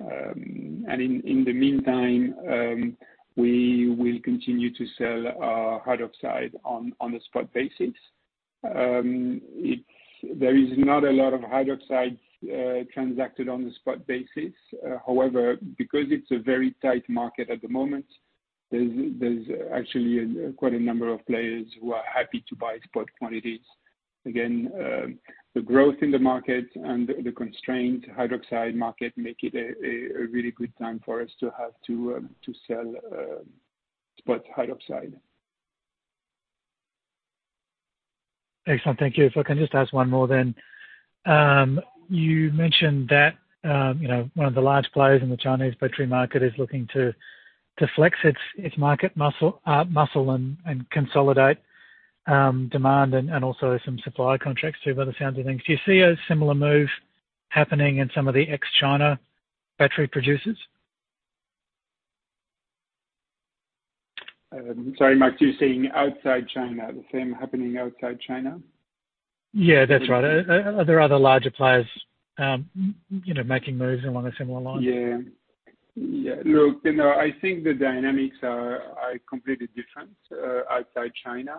In the meantime, we will continue to sell our hydroxide on a spot basis. There is not a lot of hydroxide transacted on the spot basis. However, because it's a very tight market at the moment, there's actually quite a number of players who are happy to buy spot quantities. The growth in the market and the constrained hydroxide market make it a really good time for us to have to sell spot hydroxide. Excellent. Thank you. If I can just ask one more then. You mentioned that, you know, one of the large players in the Chinese battery market is looking to flex its market muscle and consolidate demand and also some supply contracts too, by the sounds of things. Do you see a similar move happening in some of the ex-China battery producers? Sorry, Max. You're saying outside China, the same happening outside China? That's right. Are there other larger players, you know, making moves along a similar line? Yeah. Look, you know, I think the dynamics are completely different outside China.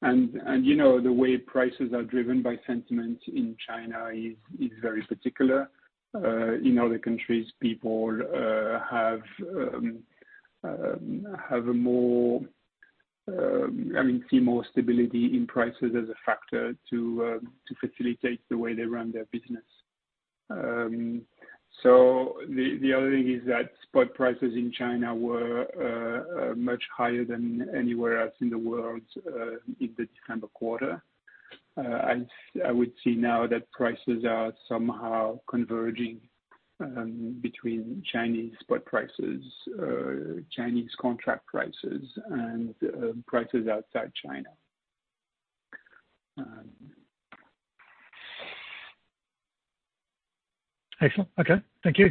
You know, the way prices are driven by sentiment in China is very particular. In other countries, people have a more... I mean, see more stability in prices as a factor to facilitate the way they run their business. The other thing is that spot prices in China were much higher than anywhere else in the world in the December quarter. I would see now that prices are somehow converging between Chinese spot prices, Chinese contract prices, and prices outside China. Excellent. Okay. Thank you.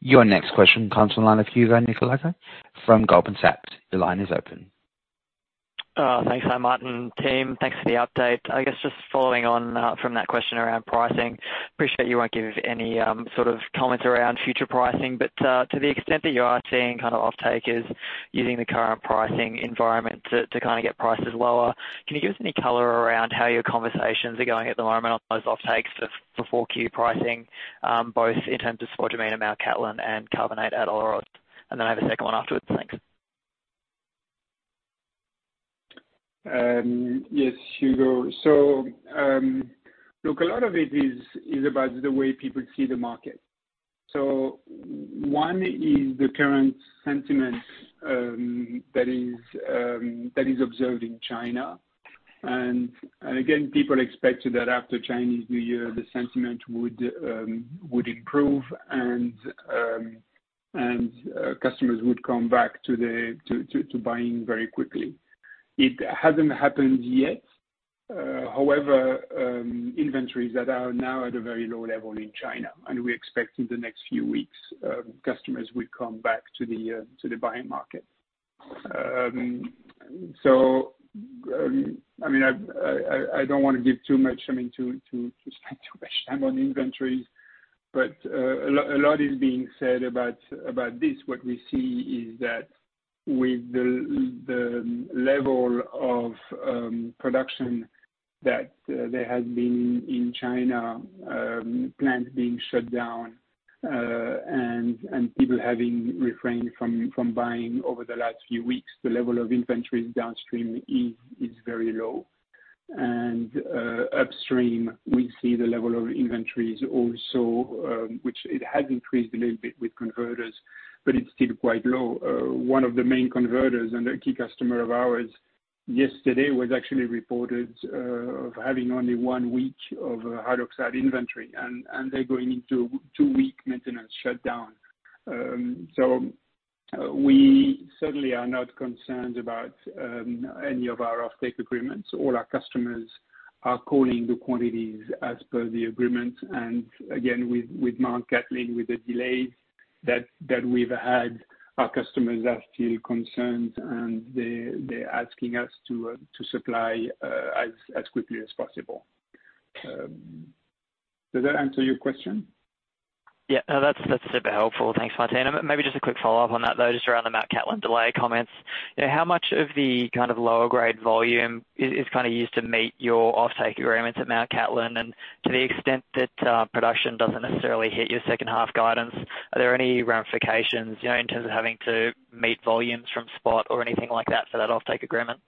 Your next question comes from the line of Hugo Nicolaci from Goldman Sachs. The line is open. Thanks, Martín team. Thanks for the update. I guess just following on from that question around pricing. Appreciate you won't give any sort of comments around future pricing. To the extent that you are seeing kind of offtake is using the current pricing environment to kinda get prices lower, can you give us any color around how your conversations are going at the moment on those offtakes for 4Q pricing, both in terms of spodumene at Mt Cattlin and carbonate at Olaroz? I have a second one afterwards. Thanks. Yes, Hugo. Look, a lot of it is about the way people see the market. One is the current sentiment that is observed in China. Again, people expected that after Chinese New Year, the sentiment would improve and customers would come back to buying very quickly. It hasn't happened yet. However, inventories that are now at a very low level in China, and we expect in the next few weeks, customers will come back to the buying market. I mean, I don't wanna give too much, I mean, to spend too much time on inventories, but a lot is being said about this. What we see is that. With the level of production that there has been in China, plants being shut down, and people having refrained from buying over the last few weeks, the level of inventories downstream is very low. Upstream, we see the level of inventories also, which it has increased a little bit with converters, but it's still quite low. One of the main converters and a key customer of ours yesterday was actually reported of having only one week of hydroxide inventory, and they're going into two-week maintenance shutdown. We certainly are not concerned about any of our offtake agreements. All our customers are calling the quantities as per the agreement. Again, with Mt Cattlin, with the delays that we've had, our customers are still concerned, and they're asking us to supply as quickly as possible. Does that answer your question? No, that's super helpful. Thanks, Martin. Maybe just a quick follow-up on that, though, just around the Mt Cattlin delay comments. How much of the kind of lower grade volume is kind of used to meet your offtake agreements at Mt Cattlin? To the extent that production doesn't necessarily hit your second half guidance, are there any ramifications, you know, in terms of having to meet volumes from spot or anything like that for that offtake agreement?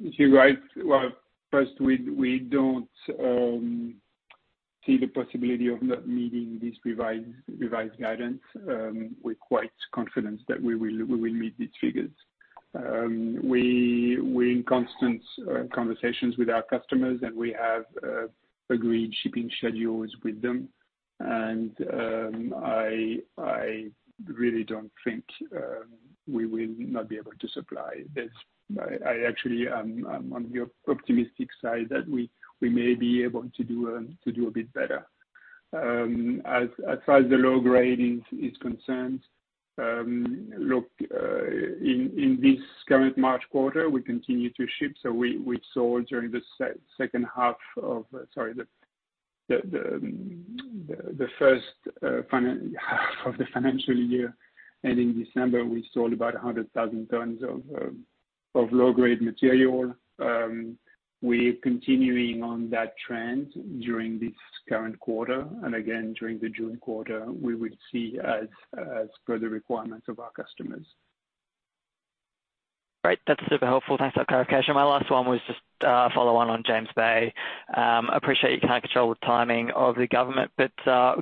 You're right. Well, first, we don't see the possibility of not meeting this revised guidance. We're quite confident that we will meet these figures. We're in constant conversations with our customers, and we have agreed shipping schedules with them. I really don't think we will not be able to supply this. I actually am, I'm on the optimistic side that we may be able to do a bit better. As far as the low-grade is concerned, look, in this current March quarter, we continue to ship, so we saw during the second half of... Sorry, the first half of the financial year and in December, we sold about 100,000 tons of low-grade material. We're continuing on that trend during this current quarter, and again, during the June quarter, we will see as per the requirements of our customers. Great. That's super helpful. Thanks for that clarification. My last one was just a follow on on James Bay. Appreciate you can't control the timing of the government, but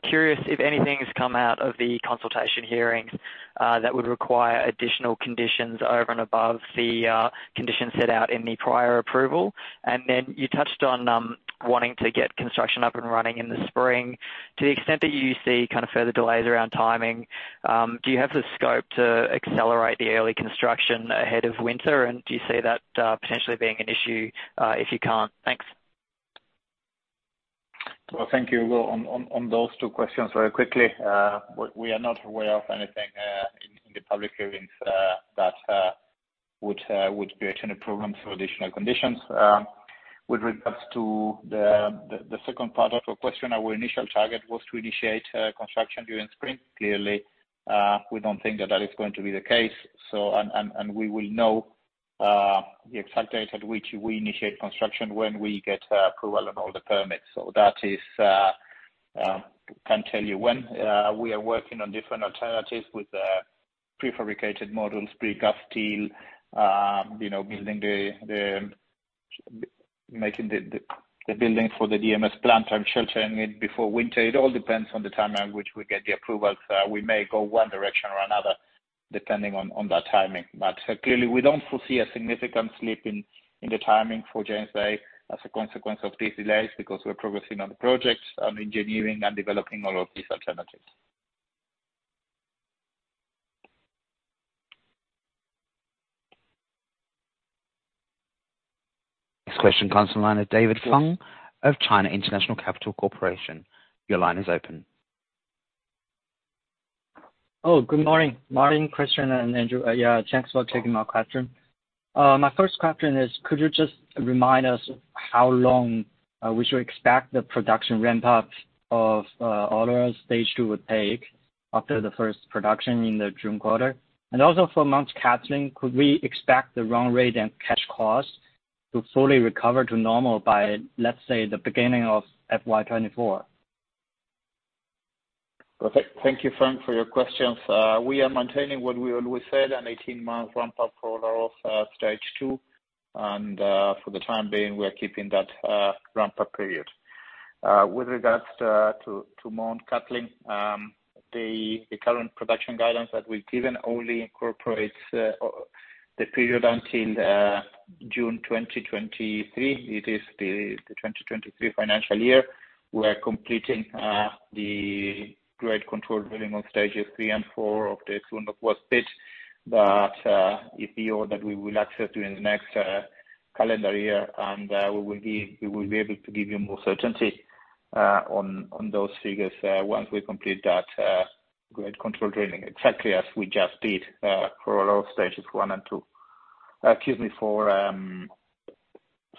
curious if anything has come out of the consultation hearings that would require additional conditions over and above the conditions set out in the prior approval. Then you touched on wanting to get construction up and running in the spring. To the extent that you see kind of further delays around timing, do you have the scope to accelerate the early construction ahead of winter? Do you see that potentially being an issue if you can't? Thanks. Well, thank you. Well, on those two questions very quickly, we are not aware of anything in the public hearings that would create any problems for additional conditions. With regards to the second part of your question, our initial target was to initiate construction during spring. Clearly, we don't think that that is going to be the case. And we will know the exact date at which we initiate construction when we get approval on all the permits. That is, can't tell you when. We are working on different alternatives with prefabricated models, pre-cut steel, you know, building the making the building for the DMS plant and sheltering it before winter. It all depends on the timeline which we get the approvals. We may go one direction or another depending on that timing. Clearly we don't foresee a significant slip in the timing for James Bay as a consequence of these delays because we're progressing on the projects and engineering and developing all of these alternatives. Next question comes from the line of David Wang of China International Capital Corporation. Your line is open. Good morning. Martín, Christian and Andrew. Thanks for taking my question. My first question is could you just remind us how long we should expect the production ramp up of Olaroz Stage 2 would take after the first production in the June quarter? Also for Mt Cattlin, could we expect the run rate and cash costs to fully recover to normal by, let's say, the beginning of FY 2024? Perfect. Thank you, Frank, for your questions. We are maintaining what we always said, an 18-month ramp-up for Olaroz, Stage 2. For the time being, we're keeping that ramp-up period. With regards to Mt Cattlin, the current production guidance that we've given only incorporates the period until June 2023. It is the 2023 financial year. We're completing the grade control drilling on stages 3 and 4 of the sandalup wash pit that we will access during the next calendar year, we will be able to give you more certainty on those figures once we complete that grade control drilling, exactly as we just did for Olaroz Stages 1 and 2.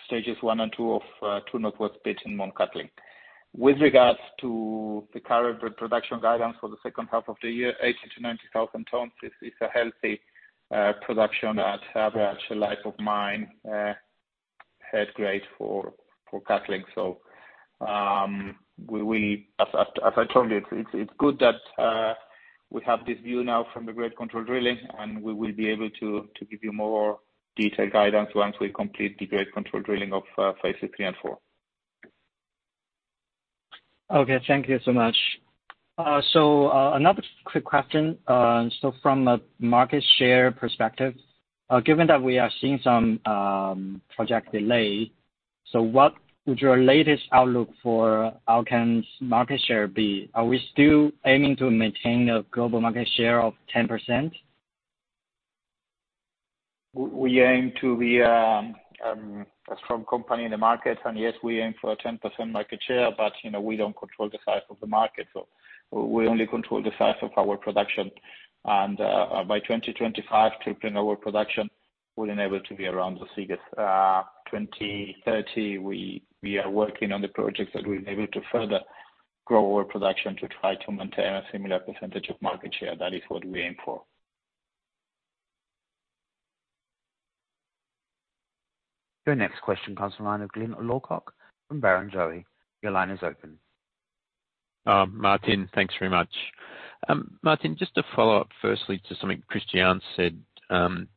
Stages 1 and 2 of 2NW pit in Mt Cattlin. With regards to the current production guidance for the second half of the year, 80,000-90,000 tons is a healthy production at average life of mine head grade for Mt Cattlin. As I told you, it's good that we have this view now from the grade control drilling, and we will be able to give you more detailed guidance once we complete the grade control drilling of phases III and IV. Okay, thank you so much. Another quick question. From a market share perspective, given that we are seeing some project delay, what would your latest outlook for Albemarle's market share be? Are we still aiming to maintain a global market share of 10%? We aim to be a strong company in the market. Yes, we aim for a 10% market share, you know, we don't control the size of the market. We only control the size of our production. By 2025, tripling our production, we'll enable to be around the figures. 2030, we are working on the projects that will enable to further grow our production to try to maintain a similar % of market share. That is what we aim for. Your next question comes from line of Glyn Lawcock from Barrenjoey. Your line is open. Martín, thanks very much. Martín, just to follow up firstly to something Christian said, 80%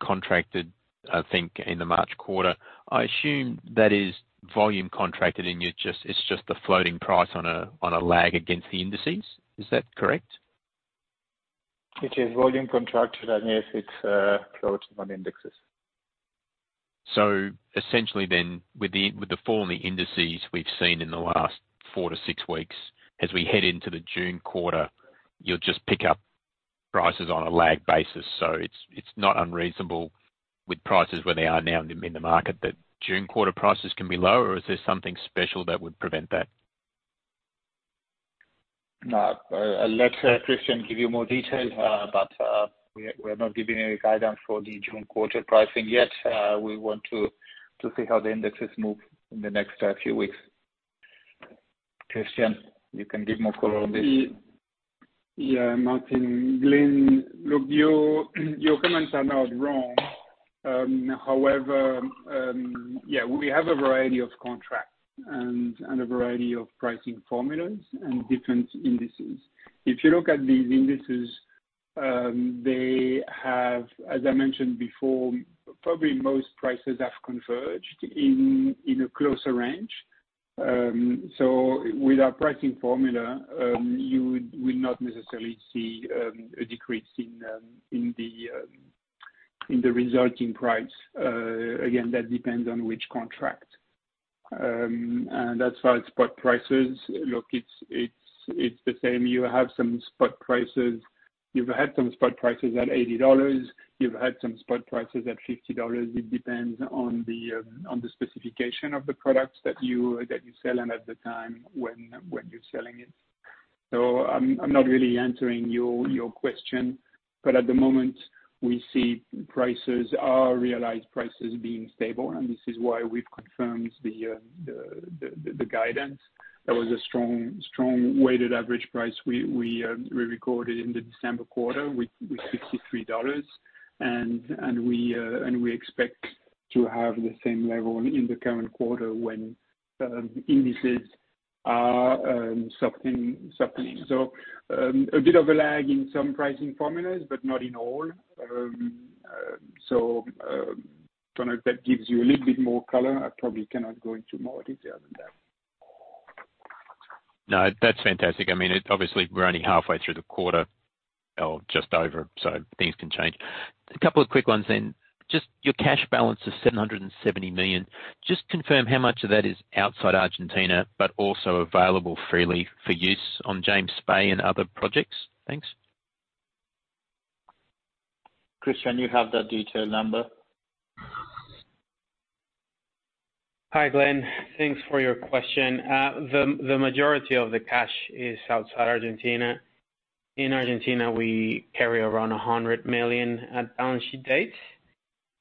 contracted, I think, in the March quarter. I assume that is volume contracted and it's just a floating price on a, on a lag against the indices. Is that correct? It is volume contracted, and yes, it's floating on indexes. Essentially, with the fall in the indices we've seen in the last four to six weeks as we head into the June quarter, you'll just pick up prices on a lag basis. It's not unreasonable with prices where they are now in the market that June quarter prices can be lower, or is there something special that would prevent that? No. I'll let Christian give you more detail. We're not giving any guidance for the June quarter pricing yet. We want to see how the indexes move in the next few weeks. Christian, you can give more color on this. Yeah, Martín, Glyn. Look, your comments are not wrong. However, yeah, we have a variety of contracts and a variety of pricing formulas and different indices. If you look at these indices, they have, as I mentioned before, probably most prices have converged in a closer range. With our pricing formula, you will not necessarily see a decrease in the resulting price. Again, that depends on which contract. As far as spot prices, look, it's the same. You have some spot prices. You've had some spot prices at $80. You've had some spot prices at $50. It depends on the specification of the products that you sell and at the time when you're selling it. I'm not really answering your question, but at the moment, we see prices, our realized prices being stable, and this is why we've confirmed the guidance. There was a strong weighted average price we recorded in the December quarter with $63. We expect to have the same level in the current quarter when indices are softening. A bit of a lag in some pricing formulas, but not in all. Don't know if that gives you a little bit more color. I probably cannot go into more detail than that. No, that's fantastic. I mean, obviously, we're only halfway through the quarter or just over, so things can change. A couple of quick ones. Just your cash balance of $770 million. Just confirm how much of that is outside Argentina, but also available freely for use on James Bay and other projects. Thanks. Christian, you have that detailed number. Hi, Glyn. Thanks for your question. The majority of the cash is outside Argentina. In Argentina, we carry around $100 million at balance sheet date.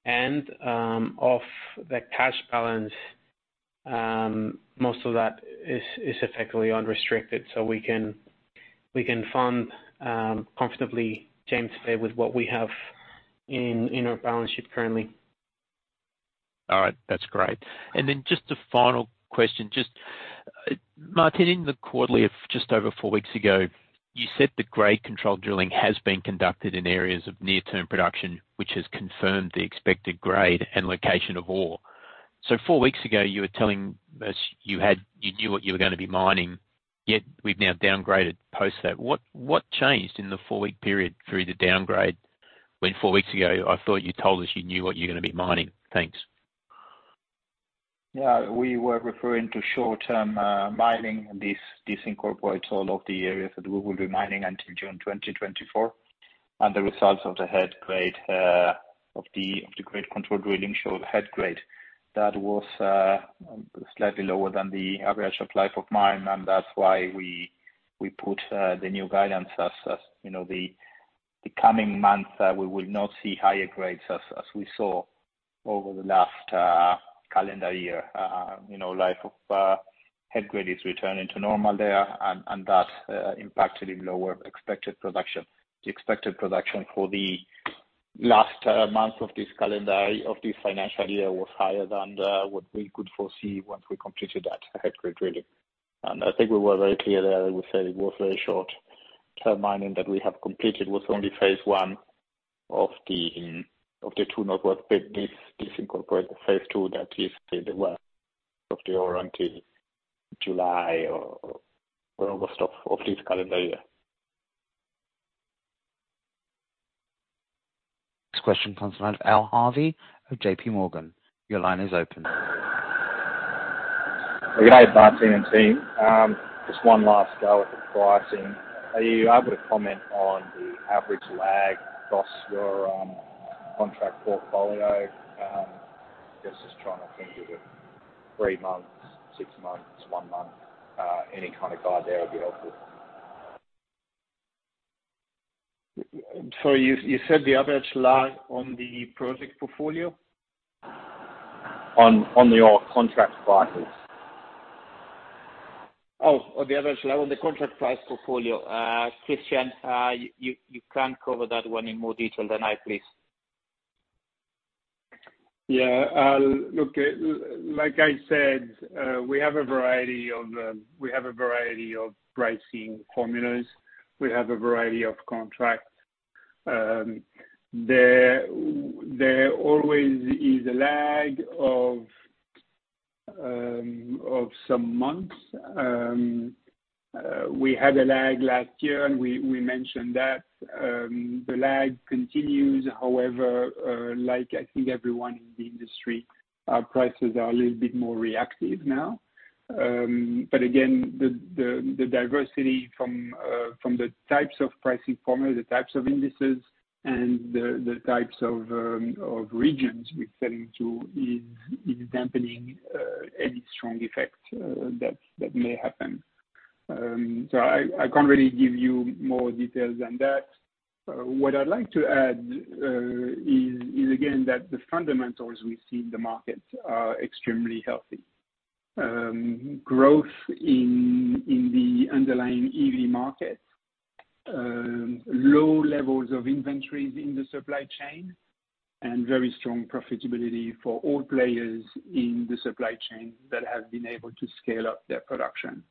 Of the cash balance, most of that is effectively unrestricted. We can fund comfortably James Bay with what we have in our balance sheet currently. All right. That's great. Just a final question. Just, Martin, in the quarterly of just over four weeks ago, you said the grade control drilling has been conducted in areas of near-term production, which has confirmed the expected grade and location of ore. Four weeks ago, you were telling us you knew what you were gonna be mining, yet we've now downgraded post that. What changed in the four-week period through the downgrade, when four weeks ago, I thought you told us you knew what you're gonna be mining? Thanks. Yeah. We were referring to short-term mining. This incorporates all of the areas that we will be mining until June 2024. The results of the grade control drilling showed head grade that was slightly lower than the average of life of mine. That's why we put the new guidance as, you know, the coming months, we will not see higher grades as we saw over the last calendar year. You know, life of head grade is returning to normal there and that impacted in lower expected production. The expected production for the last month of this financial year was higher than what we could foresee once we completed that head grade really. I think we were very clear that we said it was very short-term mining that we have completed, was only phase I of the 2NW pit. This incorporates the phase II that is still in the work of the RNT, July or August of this calendar year. Next question comes from Al Harvey of J.P. Morgan. Your line is open. Good day, Martin and team. Just one last go at the pricing. Are you able to comment on the average lag across your contract portfolio? Just trying to think of it, three months, six-months, one month, any kind of guide there would be helpful. Sorry, you said the average lag on the project portfolio? On your contract prices. On the average lag on the contract price portfolio. Christian, you can cover that one in more detail than I please. Yeah. Look, like I said, we have a variety of pricing formulas. We have a variety of contracts. There always is a lag of some months. We had a lag last year, and we mentioned that. The lag continues, however, like I think everyone in the industry, our prices are a little bit more reactive now. Again, the diversity from the types of pricing formulas, the types of indices and the types of regions we're selling to is dampening any strong effect that may happen. I can't really give you more details than that. What I'd like to add is again, that the fundamentals we see in the markets are extremely healthy. Growth in the underlying EV markets, low levels of inventories in the supply chain and very strong profitability for all players in the supply chain that have been able to scale up their production.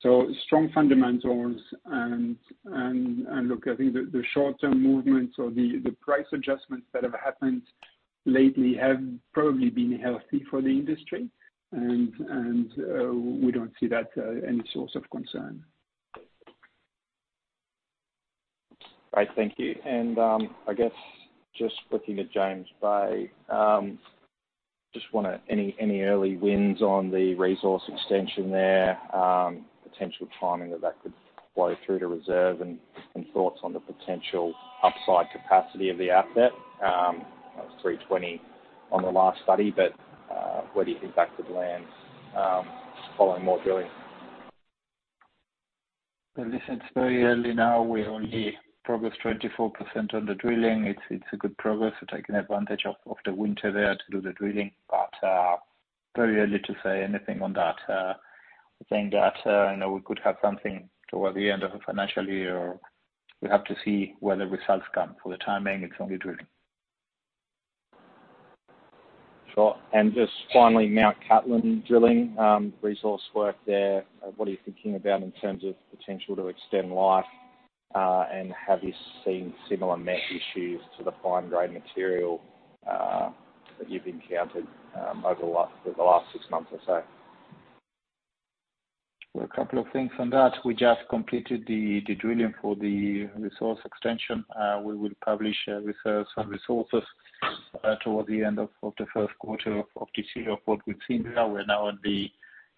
Strong fundamentals and look, I think the short-term movements or the price adjustments that have happened lately have probably been healthy for the industry and we don't see that any source of concern. Right. Thank you. I guess just looking at James Bay, any early wins on the resource extension there, potential timing that could flow through to reserve and thoughts on the potential upside capacity of the asset? That was 320 on the last study, but where do you think that could land following more drilling? Well, listen, it's very early now. We only progressed 24% on the drilling. It's a good progress. We're taking advantage of the winter there to do the drilling. Very early to say anything on that. I think that, you know, we could have something toward the end of the financial year. We have to see where the results come. For the timing, it's only drilling. Sure. Just finally, Mt Cattlin drilling, resource work there. What are you thinking about in terms of potential to extend life? And have you seen similar mass issues to the fine grain material that you've encountered over the last six-months or so? A couple of things on that. We just completed the drilling for the resource extension. We will publish reserves and resources toward the end of the first quarter of this year of what we've seen there. We're now in the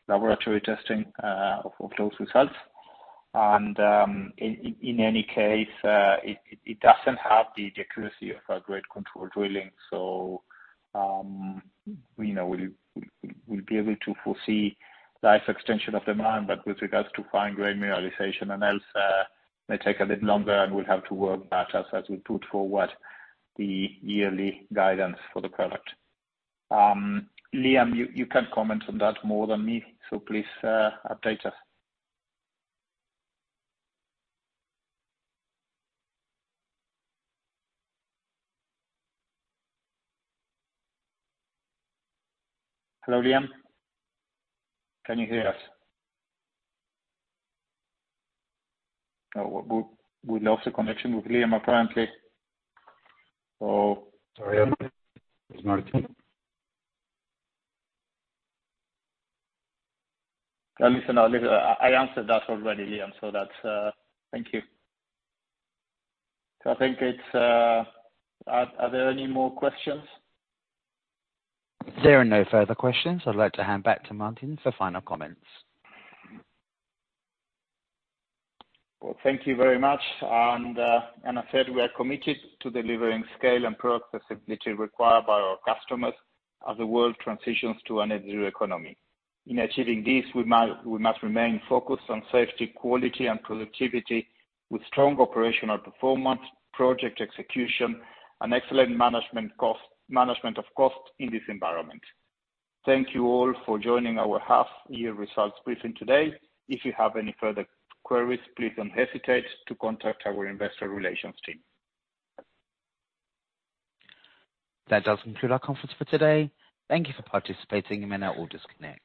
laboratory testing of those results. In any case, it doesn't have the accuracy of our grade control drilling. You know, we'll be able to foresee life extension of the mine, but with regards to fine grain mineralization and else, may take a bit longer, and we'll have to work that as we put forward the yearly guidance for the product. Liam, you can comment on that more than me, so please update us. Hello, Liam? Can you hear us? We lost the connection with Liam apparently. Sorry about that. It's Martin. Listen. I answered that already, Liam, so that's. Thank you. I think it's. Are there any more questions? There are no further questions. I'd like to hand back to Martin for final comments. Well, thank you very much. I said, we are committed to delivering scale and product flexibility required by our customers as the world transitions to a net zero economy. In achieving this, we must remain focused on safety, quality and productivity with strong operational performance, project execution and excellent management of cost in this environment. Thank you all for joining our half-year results briefing today. If you have any further queries, please don't hesitate to contact our investor relations team. That does conclude our conference for today. Thank you for participating. You may now all disconnect.